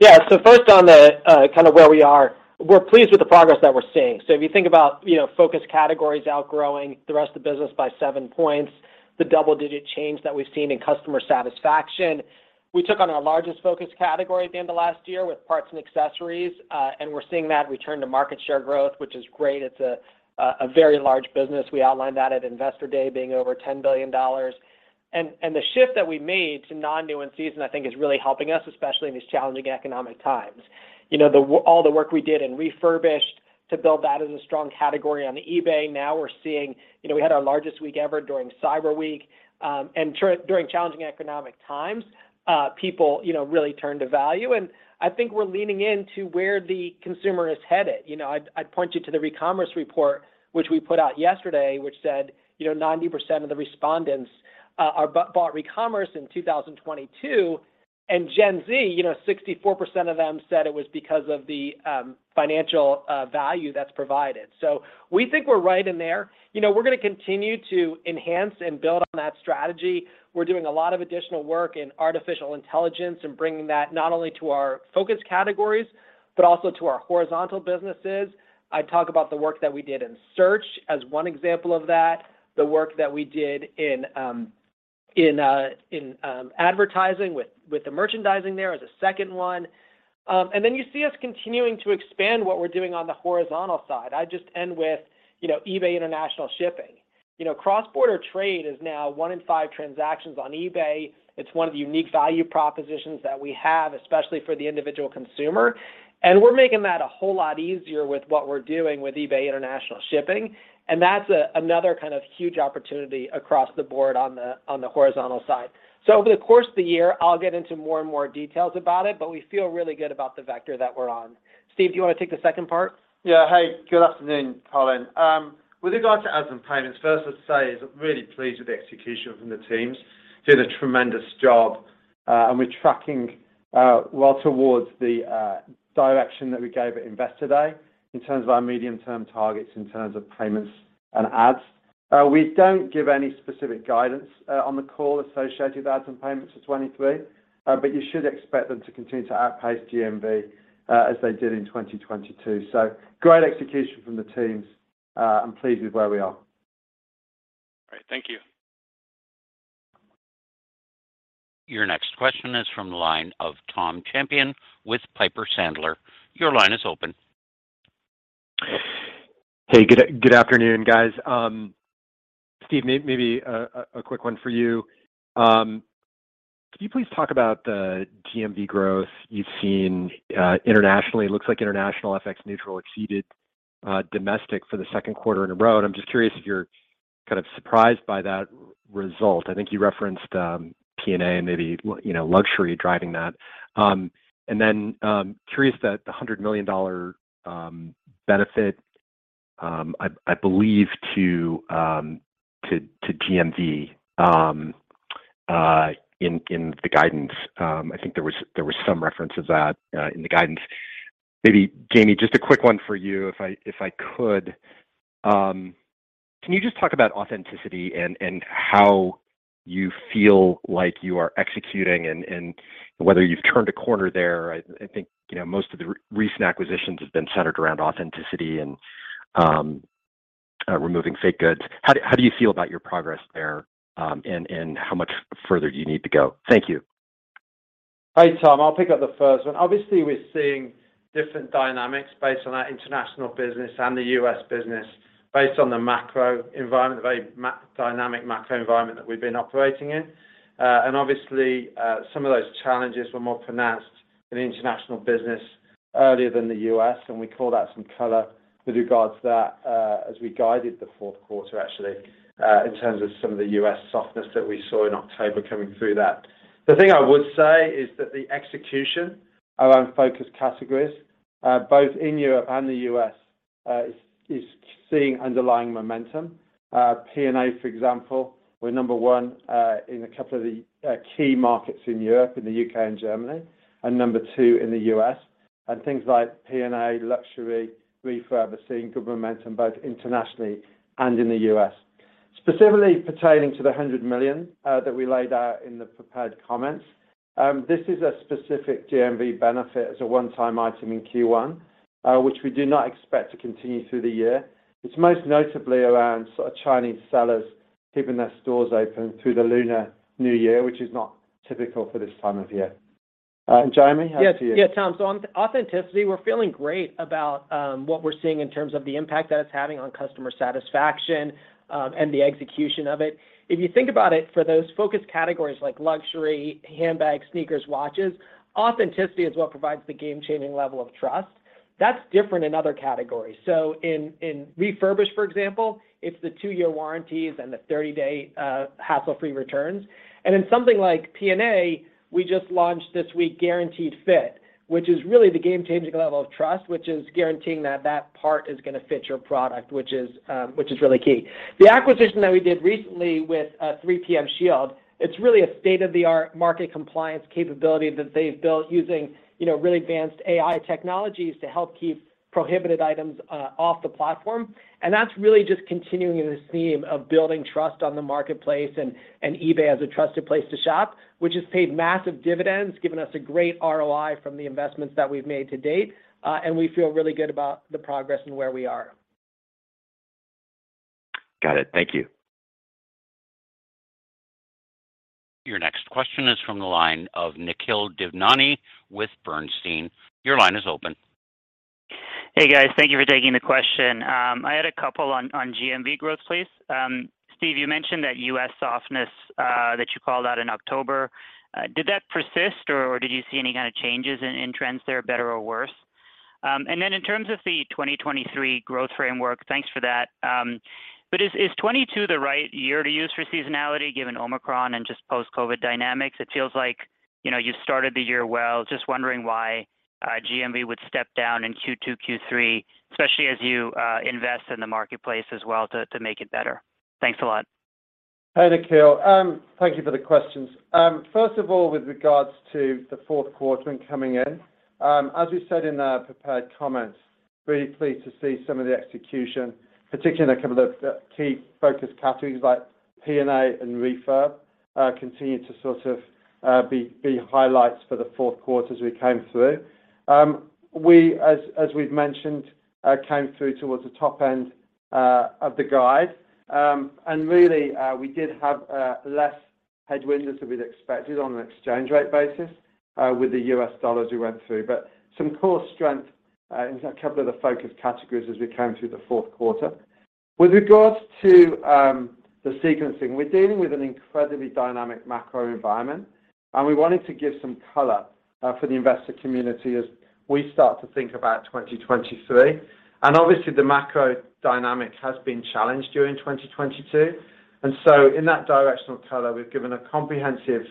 Yeah. First on the kind of where we are, we're pleased with the progress that we're seeing. If you think about, you know, focus categories outgrowing the rest of the business by seven points, the double-digit change that we've seen in customer satisfaction. We took on our largest focus category at the end of last year with Parts and Accessories, and we're seeing that return to market share growth, which is great. It's a very large business. We outlined that at Investor Day being over $10 billion. The shift that we made to non-new in-season, I think is really helping us, especially in these challenging economic times. You know, all the work we did in refurbished to build that as a strong category on eBay, now we're seeing, you know, we had our largest week ever during Cyber Week. During challenging economic times, people, you know, really turn to value. I think we're leaning into where the consumer is headed. You know, I'd point you to the recommerce report, which we put out yesterday, which said, you know, 90% of the respondents bought recommerce in 2022, and Gen Z, you know, 64% of them said it was because of the financial value that's provided. We think we're right in there. You know, we're gonna continue to enhance and build on that strategy. We're doing a lot of additional work in artificial intelligence and bringing that not only to our focus categories, but also to our horizontal businesses. I talk about the work that we did in search as one example of that, the work that we did in advertising with the merchandising there as a second one. You see us continuing to expand what we're doing on the horizontal side. I just end with, you know, eBay International Shipping. You know, cross-border trade is now one in five transactions on eBay. It's one of the unique value propositions that we have, especially for the individual consumer. We're making that a whole lot easier with what we're doing with eBay International Shipping. That's another kind of huge opportunity across the board on the horizontal side. Over the course of the year, I'll get into more and more details about it, but we feel really good about the vector that we're on. Steve, do you wanna take the second part? Yeah. Hey, good afternoon, Colin. With regards to ads and payments, first I'd say is I'm really pleased with the execution from the teams. Did a tremendous job, and we're tracking well towards the direction that we gave at Investor Day in terms of our medium-term targets in terms of payments and ads. We don't give any specific guidance on the call associated with ads and payments for 2023, but you should expect them to continue to outpace GMV, as they did in 2022. Great execution from the teams. I'm pleased with where we are. Great. Thank you. Your next question is from the line of Tom Champion with Piper Sandler. Your line is open. Hey, good afternoon, guys. Steve, maybe a quick one for you. Could you please talk about the GMV growth you've seen internationally? It looks like international FX-neutral exceeded domestic for the second quarter in a row, and I'm just curious if you're kind of surprised by that result. I think you referenced P&A and maybe you know, luxury driving that. Curious that the $100 million benefit, I believe to GMV, in the guidance, I think there was some reference of that in the guidance. Maybe Jamie, just a quick one for you, if I could. Can you just talk about authenticity and how you feel like you are executing and whether you've turned a corner there. I think, you know, most of the recent acquisitions have been centered around authenticity and removing fake goods. How do you feel about your progress there, and how much further do you need to go? Thank you. Hey, Tom. I'll pick up the first one. Obviously, we're seeing different dynamics based on our international business and the U.S. business based on the macro environment, the very dynamic macro environment that we've been operating in. And obviously, some of those challenges were more pronounced in the international business earlier than the U.S., and we called out some color with regards to that, as we guided the fourth quarter actually, in terms of some of the U.S. softness that we saw in October coming through that. The thing I would say is that the execution around focus categories, both in Europe and the U.S., is seeing underlying momentum. P&A, for example, we're number one in a couple of the key markets in Europe, in the U.K. and Germany, and number two in the U.S. Things like P&A, luxury, refurb are seeing good momentum both internationally and in the U.S. Specifically pertaining to the $100 million that we laid out in the prepared comments, this is a specific GMV benefit. It's a one-time item in Q1, which we do not expect to continue through the year. It's most notably around sort of Chinese sellers keeping their stores open through the Lunar New Year, which is not typical for this time of year. Jamie, over to you. Yeah. Yeah, Tom. On authenticity, we're feeling great about what we're seeing in terms of the impact that it's having on customer satisfaction and the execution of it. If you think about it, for those focus categories like luxury, handbags, sneakers, watches, authenticity is what provides the game-changing level of trust. That's different in other categories. In refurbished, for example, it's the two-year warranties and the 30-day hassle-free returns. In something like P&A, we just launched this week Guaranteed Fit, which is really the game-changing level of trust, which is guaranteeing that that part is gonna fit your product, which is really key. The acquisition that we did recently with 3PM Shield, it's really a state-of-the-art market compliance capability that they've built using, you know, really advanced AI technologies to help keep prohibited items off the platform. That's really just continuing this theme of building trust on the marketplace and eBay as a trusted place to shop, which has paid massive dividends, given us a great ROI from the investments that we've made to date, and we feel really good about the progress and where we are. Got it. Thank you. Your next question is from the line of Nikhil Devnani with Bernstein. Your line is open. Hey, guys. Thank you for taking the question. I had a couple on GMV growth, please. Steve, you mentioned that U.S. Softness that you called out in October. Did that persist, or did you see any kind of changes in trends there, better or worse? In terms of the 2023 growth framework, thanks for that. Is 2022 the right year to use for seasonality given Omicron and just post-COVID dynamics? It feels like, you know, you started the year well. Just wondering why GMV would step down in Q2, Q3, especially as you invest in the marketplace as well to make it better. Thanks a lot. Hey, Nikhil. Thank you for the questions. First of all, with regards to the fourth quarter and coming in, as we said in our prepared comments, really pleased to see some of the execution, particularly in a couple of key focus categories like P&A and refurb, continue to be highlights for the fourth quarter as we came through. We as we've mentioned, came through towards the top end of the guide. Really, we did have less headwinds as we'd expected on an exchange rate basis with the U.S. dollar as we went through. Some core strength in a couple of the focus categories as we came through the fourth quarter. With regards to the sequencing, we're dealing with an incredibly dynamic macro environment. We wanted to give some color for the investor community as we start to think about 2023. The macro dynamic has been challenged during 2022. In that directional color, we've given a comprehensive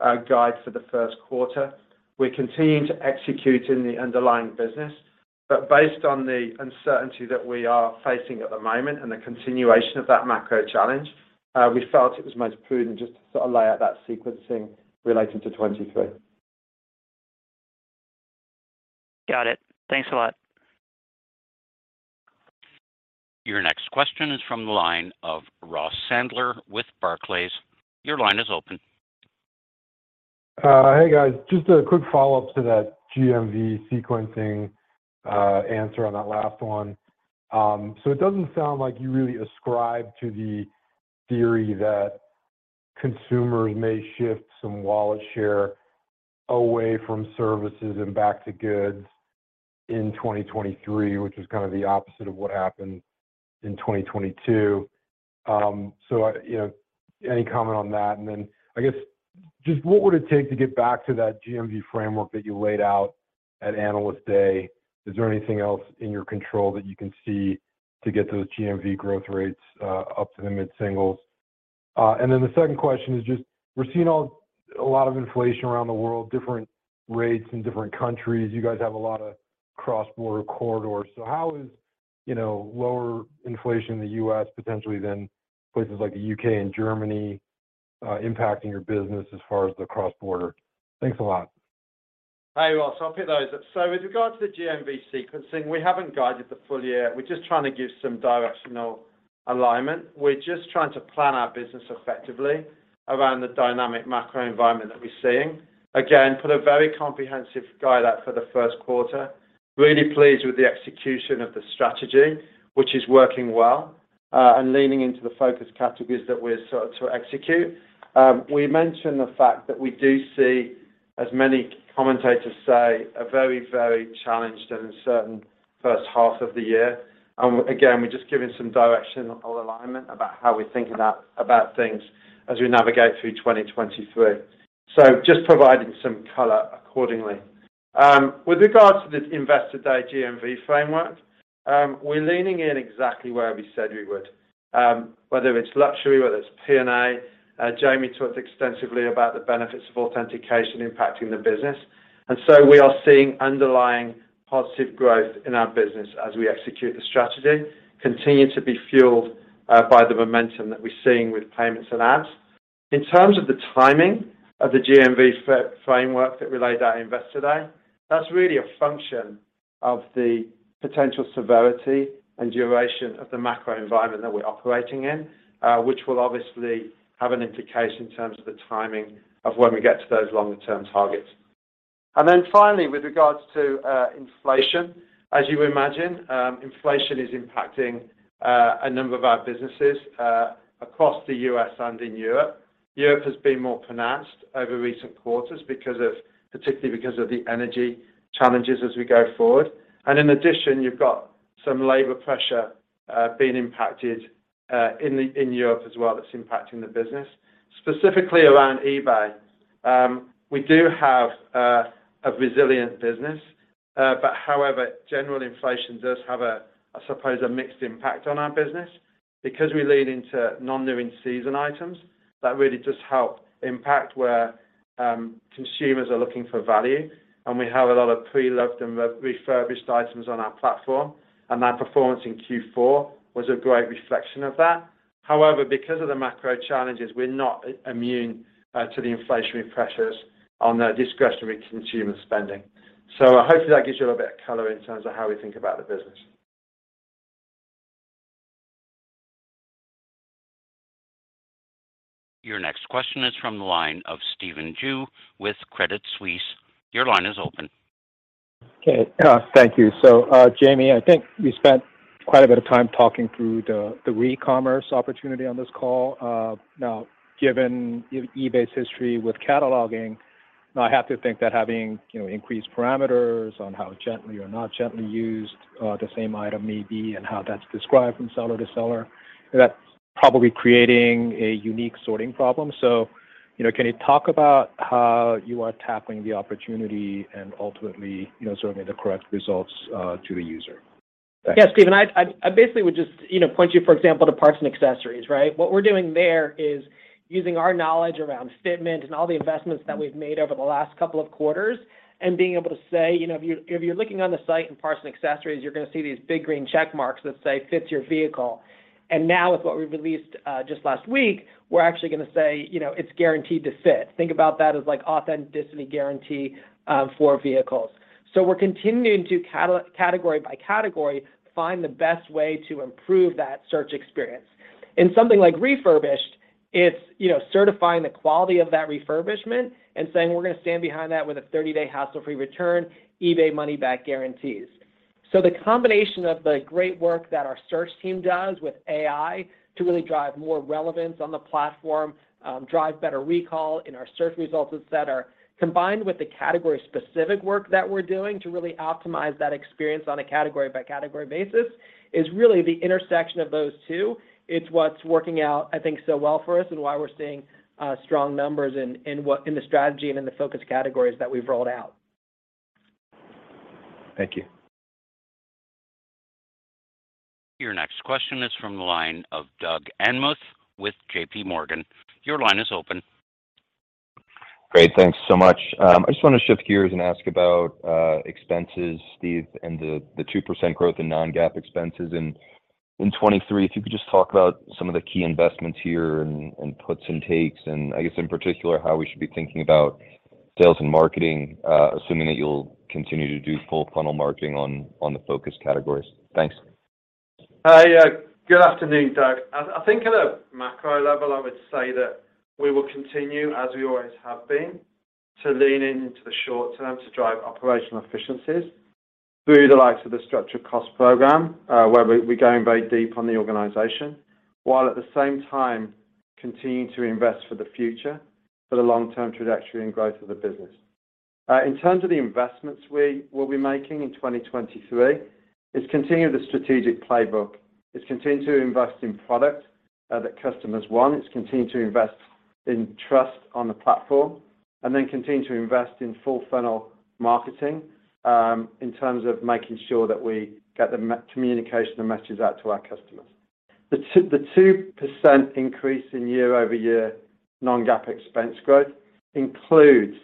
guide for the first quarter. We're continuing to execute in the underlying business. Based on the uncertainty that we are facing at the moment and the continuation of that macro challenge, we felt it was most prudent just to sort of lay out that sequencing relating to 23. Got it. Thanks a lot. Your next question is from the line of Ross Sandler with Barclays. Your line is open. Hey, guys. Just a quick follow-up to that GMV sequencing answer on that last one. It doesn't sound like you really ascribe to the theory that consumers may shift some wallet share away from services and back to goods in 2023, which is kind of the opposite of what happened in 2022. You know, any comment on that? I guess just what would it take to get back to that GMV framework that you laid out at Analyst Day? Is there anything else in your control that you can see to get those GMV growth rates up to the mid-singles? The second question is just we're seeing a lot of inflation around the world, different rates in different countries. You guys have a lot of cross-border corridors. How is, you know, lower inflation in the U.S. potentially than places like the U.K. and Germany, impacting your business as far as the cross-border? Thanks a lot. Hey, Ross. I'll hit those. With regards to the GMV sequencing, we haven't guided the full year. We're just trying to give some directional alignment. We're just trying to plan our business effectively around the dynamic macro environment that we're seeing. Again, put a very comprehensive guide out for the first quarter, really pleased with the execution of the strategy, which is working well, and leaning into the focus categories that we're sort of to execute. We mentioned the fact that we do see, as many commentators say, a very, very challenged and uncertain first half of the year. Again, we're just giving some direction alignment about how we're thinking about things as we navigate through 2023. Just providing some color accordingly. With regards to the Investor Day GMV framework, we're leaning in exactly where we said we would, whether it's luxury, whether it's P&A. Jamie talked extensively about the benefits of authentication impacting the business, and so we are seeing underlying positive growth in our business as we execute the strategy, continue to be fueled by the momentum that we're seeing with payments and ads. In terms of the timing of the GMV framework that we laid out at Investor Day, that's really a function of the potential severity and duration of the macro environment that we're operating in, which will obviously have an indication in terms of the timing of when we get to those longer-term targets. Finally, with regards to inflation, as you imagine, inflation is impacting a number of our businesses across the U.S. and in Europe. Europe has been more pronounced over recent quarters particularly because of the energy challenges as we go forward. In addition, you've got some labor pressure being impacted in Europe as well that's impacting the business. Specifically around eBay, we do have a resilient business. However, general inflation does have a, I suppose, a mixed impact on our business because we lean into non-new-in-season items that really just help impact where consumers are looking for value. We have a lot of pre-loved and refurbished items on our platform, and that performance in Q4 was a great reflection of that. Because of the macro challenges, we're not immune to the inflationary pressures on the discretionary consumer spending. Hopefully that gives you a little bit of color in terms of how we think about the business. Your next question is from the line of Stephen Ju with Credit Suisse. Your line is open. Okay. Thank you. Jamie, I think you spent quite a bit of time talking through the Recommerce opportunity on this call. Now, given eBay's history with cataloging, now I have to think that having, you know, increased parameters on how gently or not gently used, the same item may be, and how that's described from seller to seller, that's probably creating a unique sorting problem. You know, can you talk about how you are tackling the opportunity and ultimately, you know, serving the correct results to the user? Thanks. Stephen, I basically would just, you know, point you, for example, to Parts and Accessories, right? What we're doing there is using our knowledge around fitment and all the investments that we've made over the last couple of quarters and being able to say, you know, if you're, if you're looking on the site in Parts and Accessories, you're gonna see these big green check marks that say, "Fits Your Vehicle." And now with what we released just last week, we're actually gonna say, you know, it's guaranteed to fit. Think about that as like Authenticity Guarantee for vehicles. So we're continuing to category by category find the best way to improve that search experience. In something like refurbished, it's, you know, certifying the quality of that refurbishment and saying we're gonna stand behind that with a 30-day hassle-free return, eBay Money Back Guarantees. The combination of the great work that our search team does with AI to really drive more relevance on the platform, drive better recall in our search results, et cetera, combined with the category-specific work that we're doing to really optimize that experience on a category by category basis, is really the intersection of those two. It's what's working out, I think, so well for us and why we're seeing strong numbers in the strategy and in the focus categories that we've rolled out. Thank you. Your next question is from the line of Doug Anmuth with JPMorgan. Your line is open. Great. Thanks so much. I just want to shift gears and ask about expenses, Steve, and the 2% growth in non-GAAP expenses in 2023. If you could just talk about some of the key investments here and puts and takes, and I guess in particular, how we should be thinking about sales and marketing, assuming that you'll continue to do full funnel marketing on the focus categories. Thanks. Hi, good afternoon, Doug. I think at a macro level, I would say that we will continue as we always have been to lean into the short term to drive operational efficiencies through the likes of the structured cost program, where we're going very deep on the organization, while at the same time continuing to invest for the future for the long-term trajectory and growth of the business. In terms of the investments we will be making in 2023, it's continue the strategic playbook. It's continue to invest in product that customers want. It's continue to invest in trust on the platform, and then continue to invest in full funnel marketing in terms of making sure that we get the communication and messages out to our customers. The 2% increase in year-over-year non-GAAP expense growth includes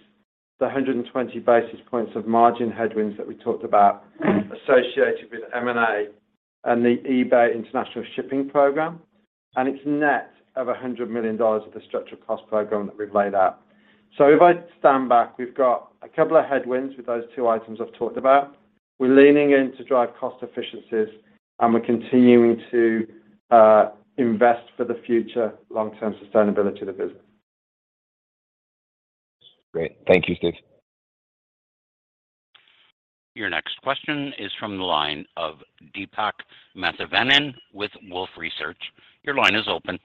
the 120 basis points of margin headwinds that we talked about associated with M&A and the eBay International Shipping program. It's net of $100 million of the structured cost program that we've laid out. If I stand back, we've got a couple of headwinds with those two items I've talked about. We're leaning in to drive cost efficiencies, and we're continuing to invest for the future long-term sustainability of the business. Great. Thank you, Steve. Your next question is from the line of Deepak Mathivanan with Wolfe Research. Your line is open.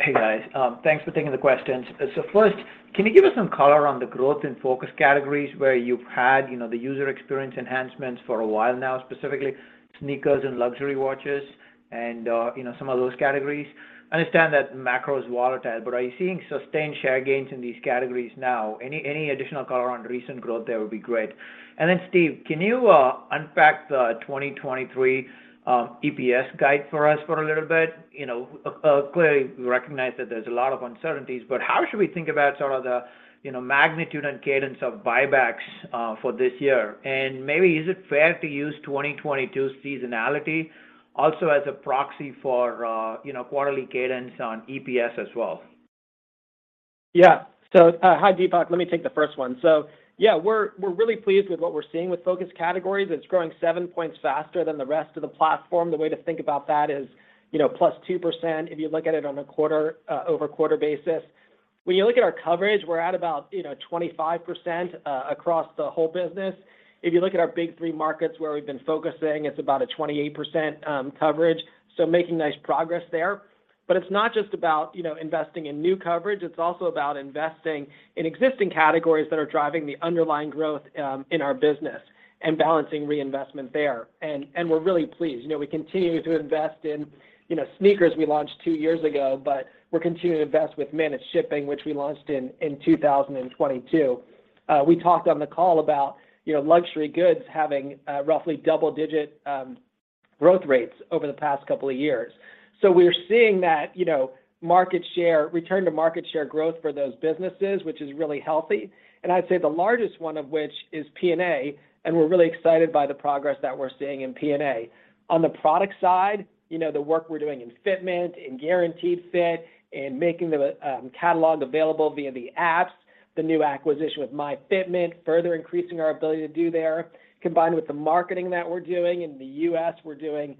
Hey, guys. Thanks for taking the questions. First, can you give us some color on the growth in focus categories where you've had, you know, the user experience enhancements for a while now, specifically sneakers and luxury watches and, you know, some of those categories? I understand that macro is volatile, but are you seeing sustained share gains in these categories now? Any additional color on recent growth there would be great. Then Steve, can you unpack the 2023 EPS guide for us for a little bit? You know, clearly we recognize that there's a lot of uncertainties, but how should we think about sort of the, you know, magnitude and cadence of buybacks for this year? Maybe is it fair to use 2022 seasonality also as a proxy for, you know, quarterly cadence on EPS as well? Yeah. Hi, Deepak. Let me take the first one. Yeah, we're really pleased with what we're seeing with focus categories. It's growing seven points faster than the rest of the platform. The way to think about that is, you know, +2% if you look at it on a quarter-over-quarter basis. When you look at our coverage, we're at about, you know, 25% across the whole business. If you look at our big three markets where we've been focusing, it's about a 28% coverage, so making nice progress there. It's not just about, you know, investing in new coverage, it's also about investing in existing categories that are driving the underlying growth in our business and balancing reinvestment there. We're really pleased. You know, we continue to invest in, you know, sneakers we launched two years ago, but we're continuing to invest with managed shipping, which we launched in 2022. We talked on the call about, you know, luxury goods having roughly double-digit growth rates over the past couple of years. We're seeing that, you know, return to market share growth for those businesses, which is really healthy. I'd say the largest one of which is P&A, and we're really excited by the progress that we're seeing in P&A. On the product side, you know, the work we're doing in fitment and Guaranteed Fit and making the catalog available via the apps, the new acquisition with MyFitment further increasing our ability to do there, combined with the marketing that we're doing. In the U.S., we're doing,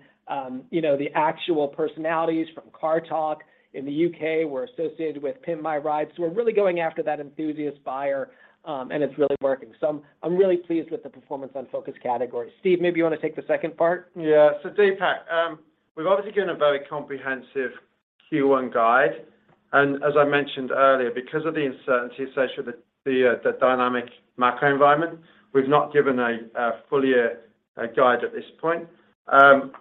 you know, the actual personalities from Car Talk. In the U.K., we're associated with Pimp My Ride. We're really going after that enthusiast buyer, and it's really working. I'm really pleased with the performance on focus categories. Steve, maybe you wanna take the second part? Yeah. Deepak, we've obviously given a very comprehensive Q1 guide, as I mentioned earlier, because of the uncertainty associated with the dynamic macro environment, we've not given a full year guide at this point.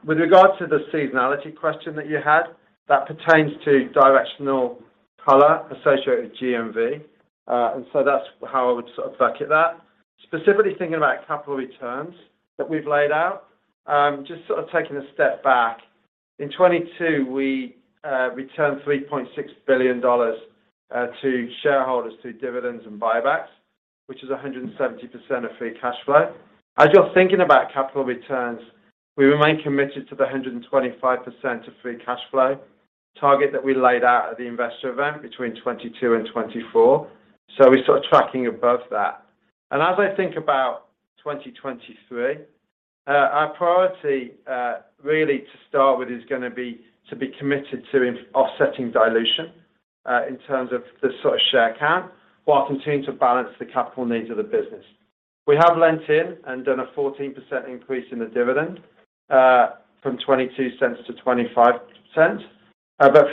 With regards to the seasonality question that you had, that pertains to directional color associated with GMV. That's how I would sort of bucket that. Specifically thinking about capital returns that we've laid out, just sort of taking a step back, in 2022, we returned $3.6 billion to shareholders through dividends and buybacks, which is 170% of free cash flow. As you're thinking about capital returns, we remain committed to the 125% of free cash flow target that we laid out at the investor event between 2022 and 2024. We're sort of tracking above that. As I think about 2023, our priority really to start with is gonna be to be committed to offsetting dilution in terms of the sort of share count, while continuing to balance the capital needs of the business. We have lent in and done a 14% increase in the dividend from $0.22 to $0.25.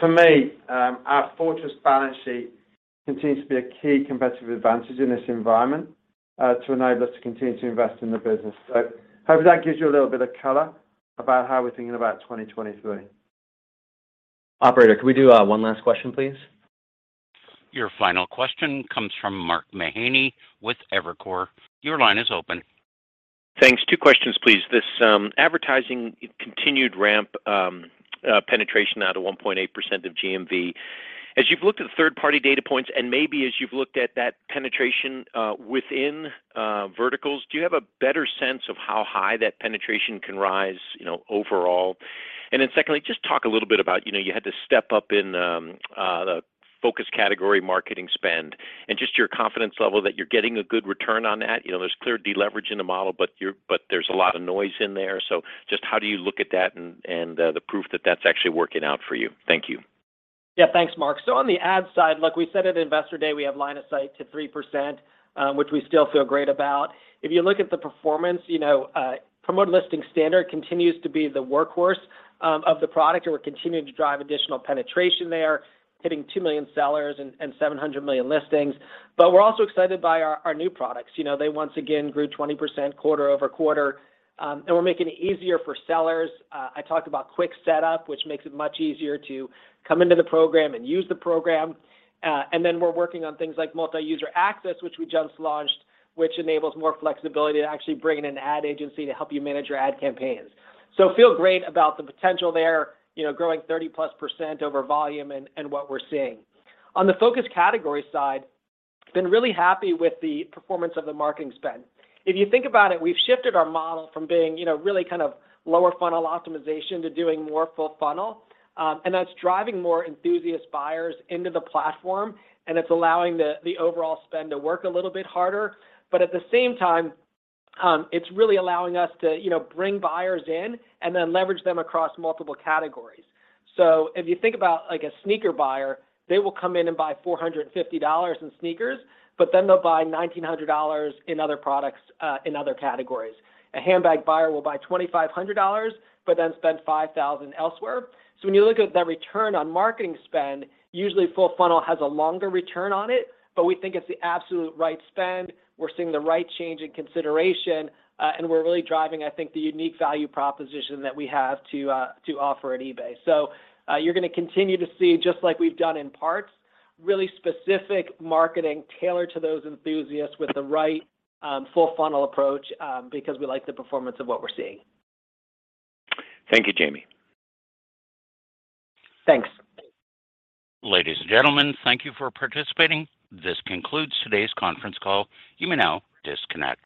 For me, our fortress balance sheet continues to be a key competitive advantage in this environment to enable us to continue to invest in the business. Hopefully that gives you a little bit of color about how we're thinking about 2023. Operator, could we do one last question, please? Your final question comes from Mark Mahaney with Evercore. Your line is open. Thanks. Two questions, please. This, advertising continued ramp, penetration now to 1.8% of GMV. As you've looked at the third-party data points and maybe as you've looked at that penetration within verticals, do you have a better sense of how high that penetration can rise, you know, overall? Secondly, just talk a little bit about, you know, you had to step up in the Focus category marketing spend and just your confidence level that you're getting a good return on that. You know, there's clear deleverage in the model, but there's a lot of noise in there. Just how do you look at that and the proof that that's actually working out for you? Thank you. Yeah, thanks, Mark. On the ad side, look, we said at Investor Day, we have line of sight to 3%, which we still feel great about. If you look at the performance, you know, Promoted Listings Standard continues to be the workhorse of the product, and we're continuing to drive additional penetration there, hitting two million sellers and 700 million listings. We're also excited by our new products. You know, they once again grew 20% quarter-over-quarter. We're making it easier for sellers. I talked about Quick setup, which makes it much easier to come into the program and use the program. We're working on things like Multi-User Access, which we just launched, which enables more flexibility to actually bring in an ad agency to help you manage your ad campaigns. Feel great about the potential there, you know, growing 30%+ over volume and what we're seeing. On the focus category side, been really happy with the performance of the marketing spend. If you think about it, we've shifted our model from being, you know, really kind of lower funnel optimization to doing more full funnel, and that's driving more enthusiast buyers into the platform, and it's allowing the overall spend to work a little bit harder. At the same time, it's really allowing us to, you know, bring buyers in and then leverage them across multiple categories. If you think about like a sneaker buyer, they will come in and buy $450 in sneakers, but then they'll buy $1,900 in other products, in other categories. A handbag buyer will buy $2,500, but then spend $5,000 elsewhere. When you look at the return on marketing spend, usually full funnel has a longer return on it, but we think it's the absolute right spend. We're seeing the right change in consideration, and we're really driving, I think, the unique value proposition that we have to offer at eBay. You're gonna continue to see, just like we've done in parts, really specific marketing tailored to those enthusiasts with the right full funnel approach, because we like the performance of what we're seeing. Thank you, Jamie. Thanks. Ladies and gentlemen, thank you for participating. This concludes today's conference call. You may now disconnect.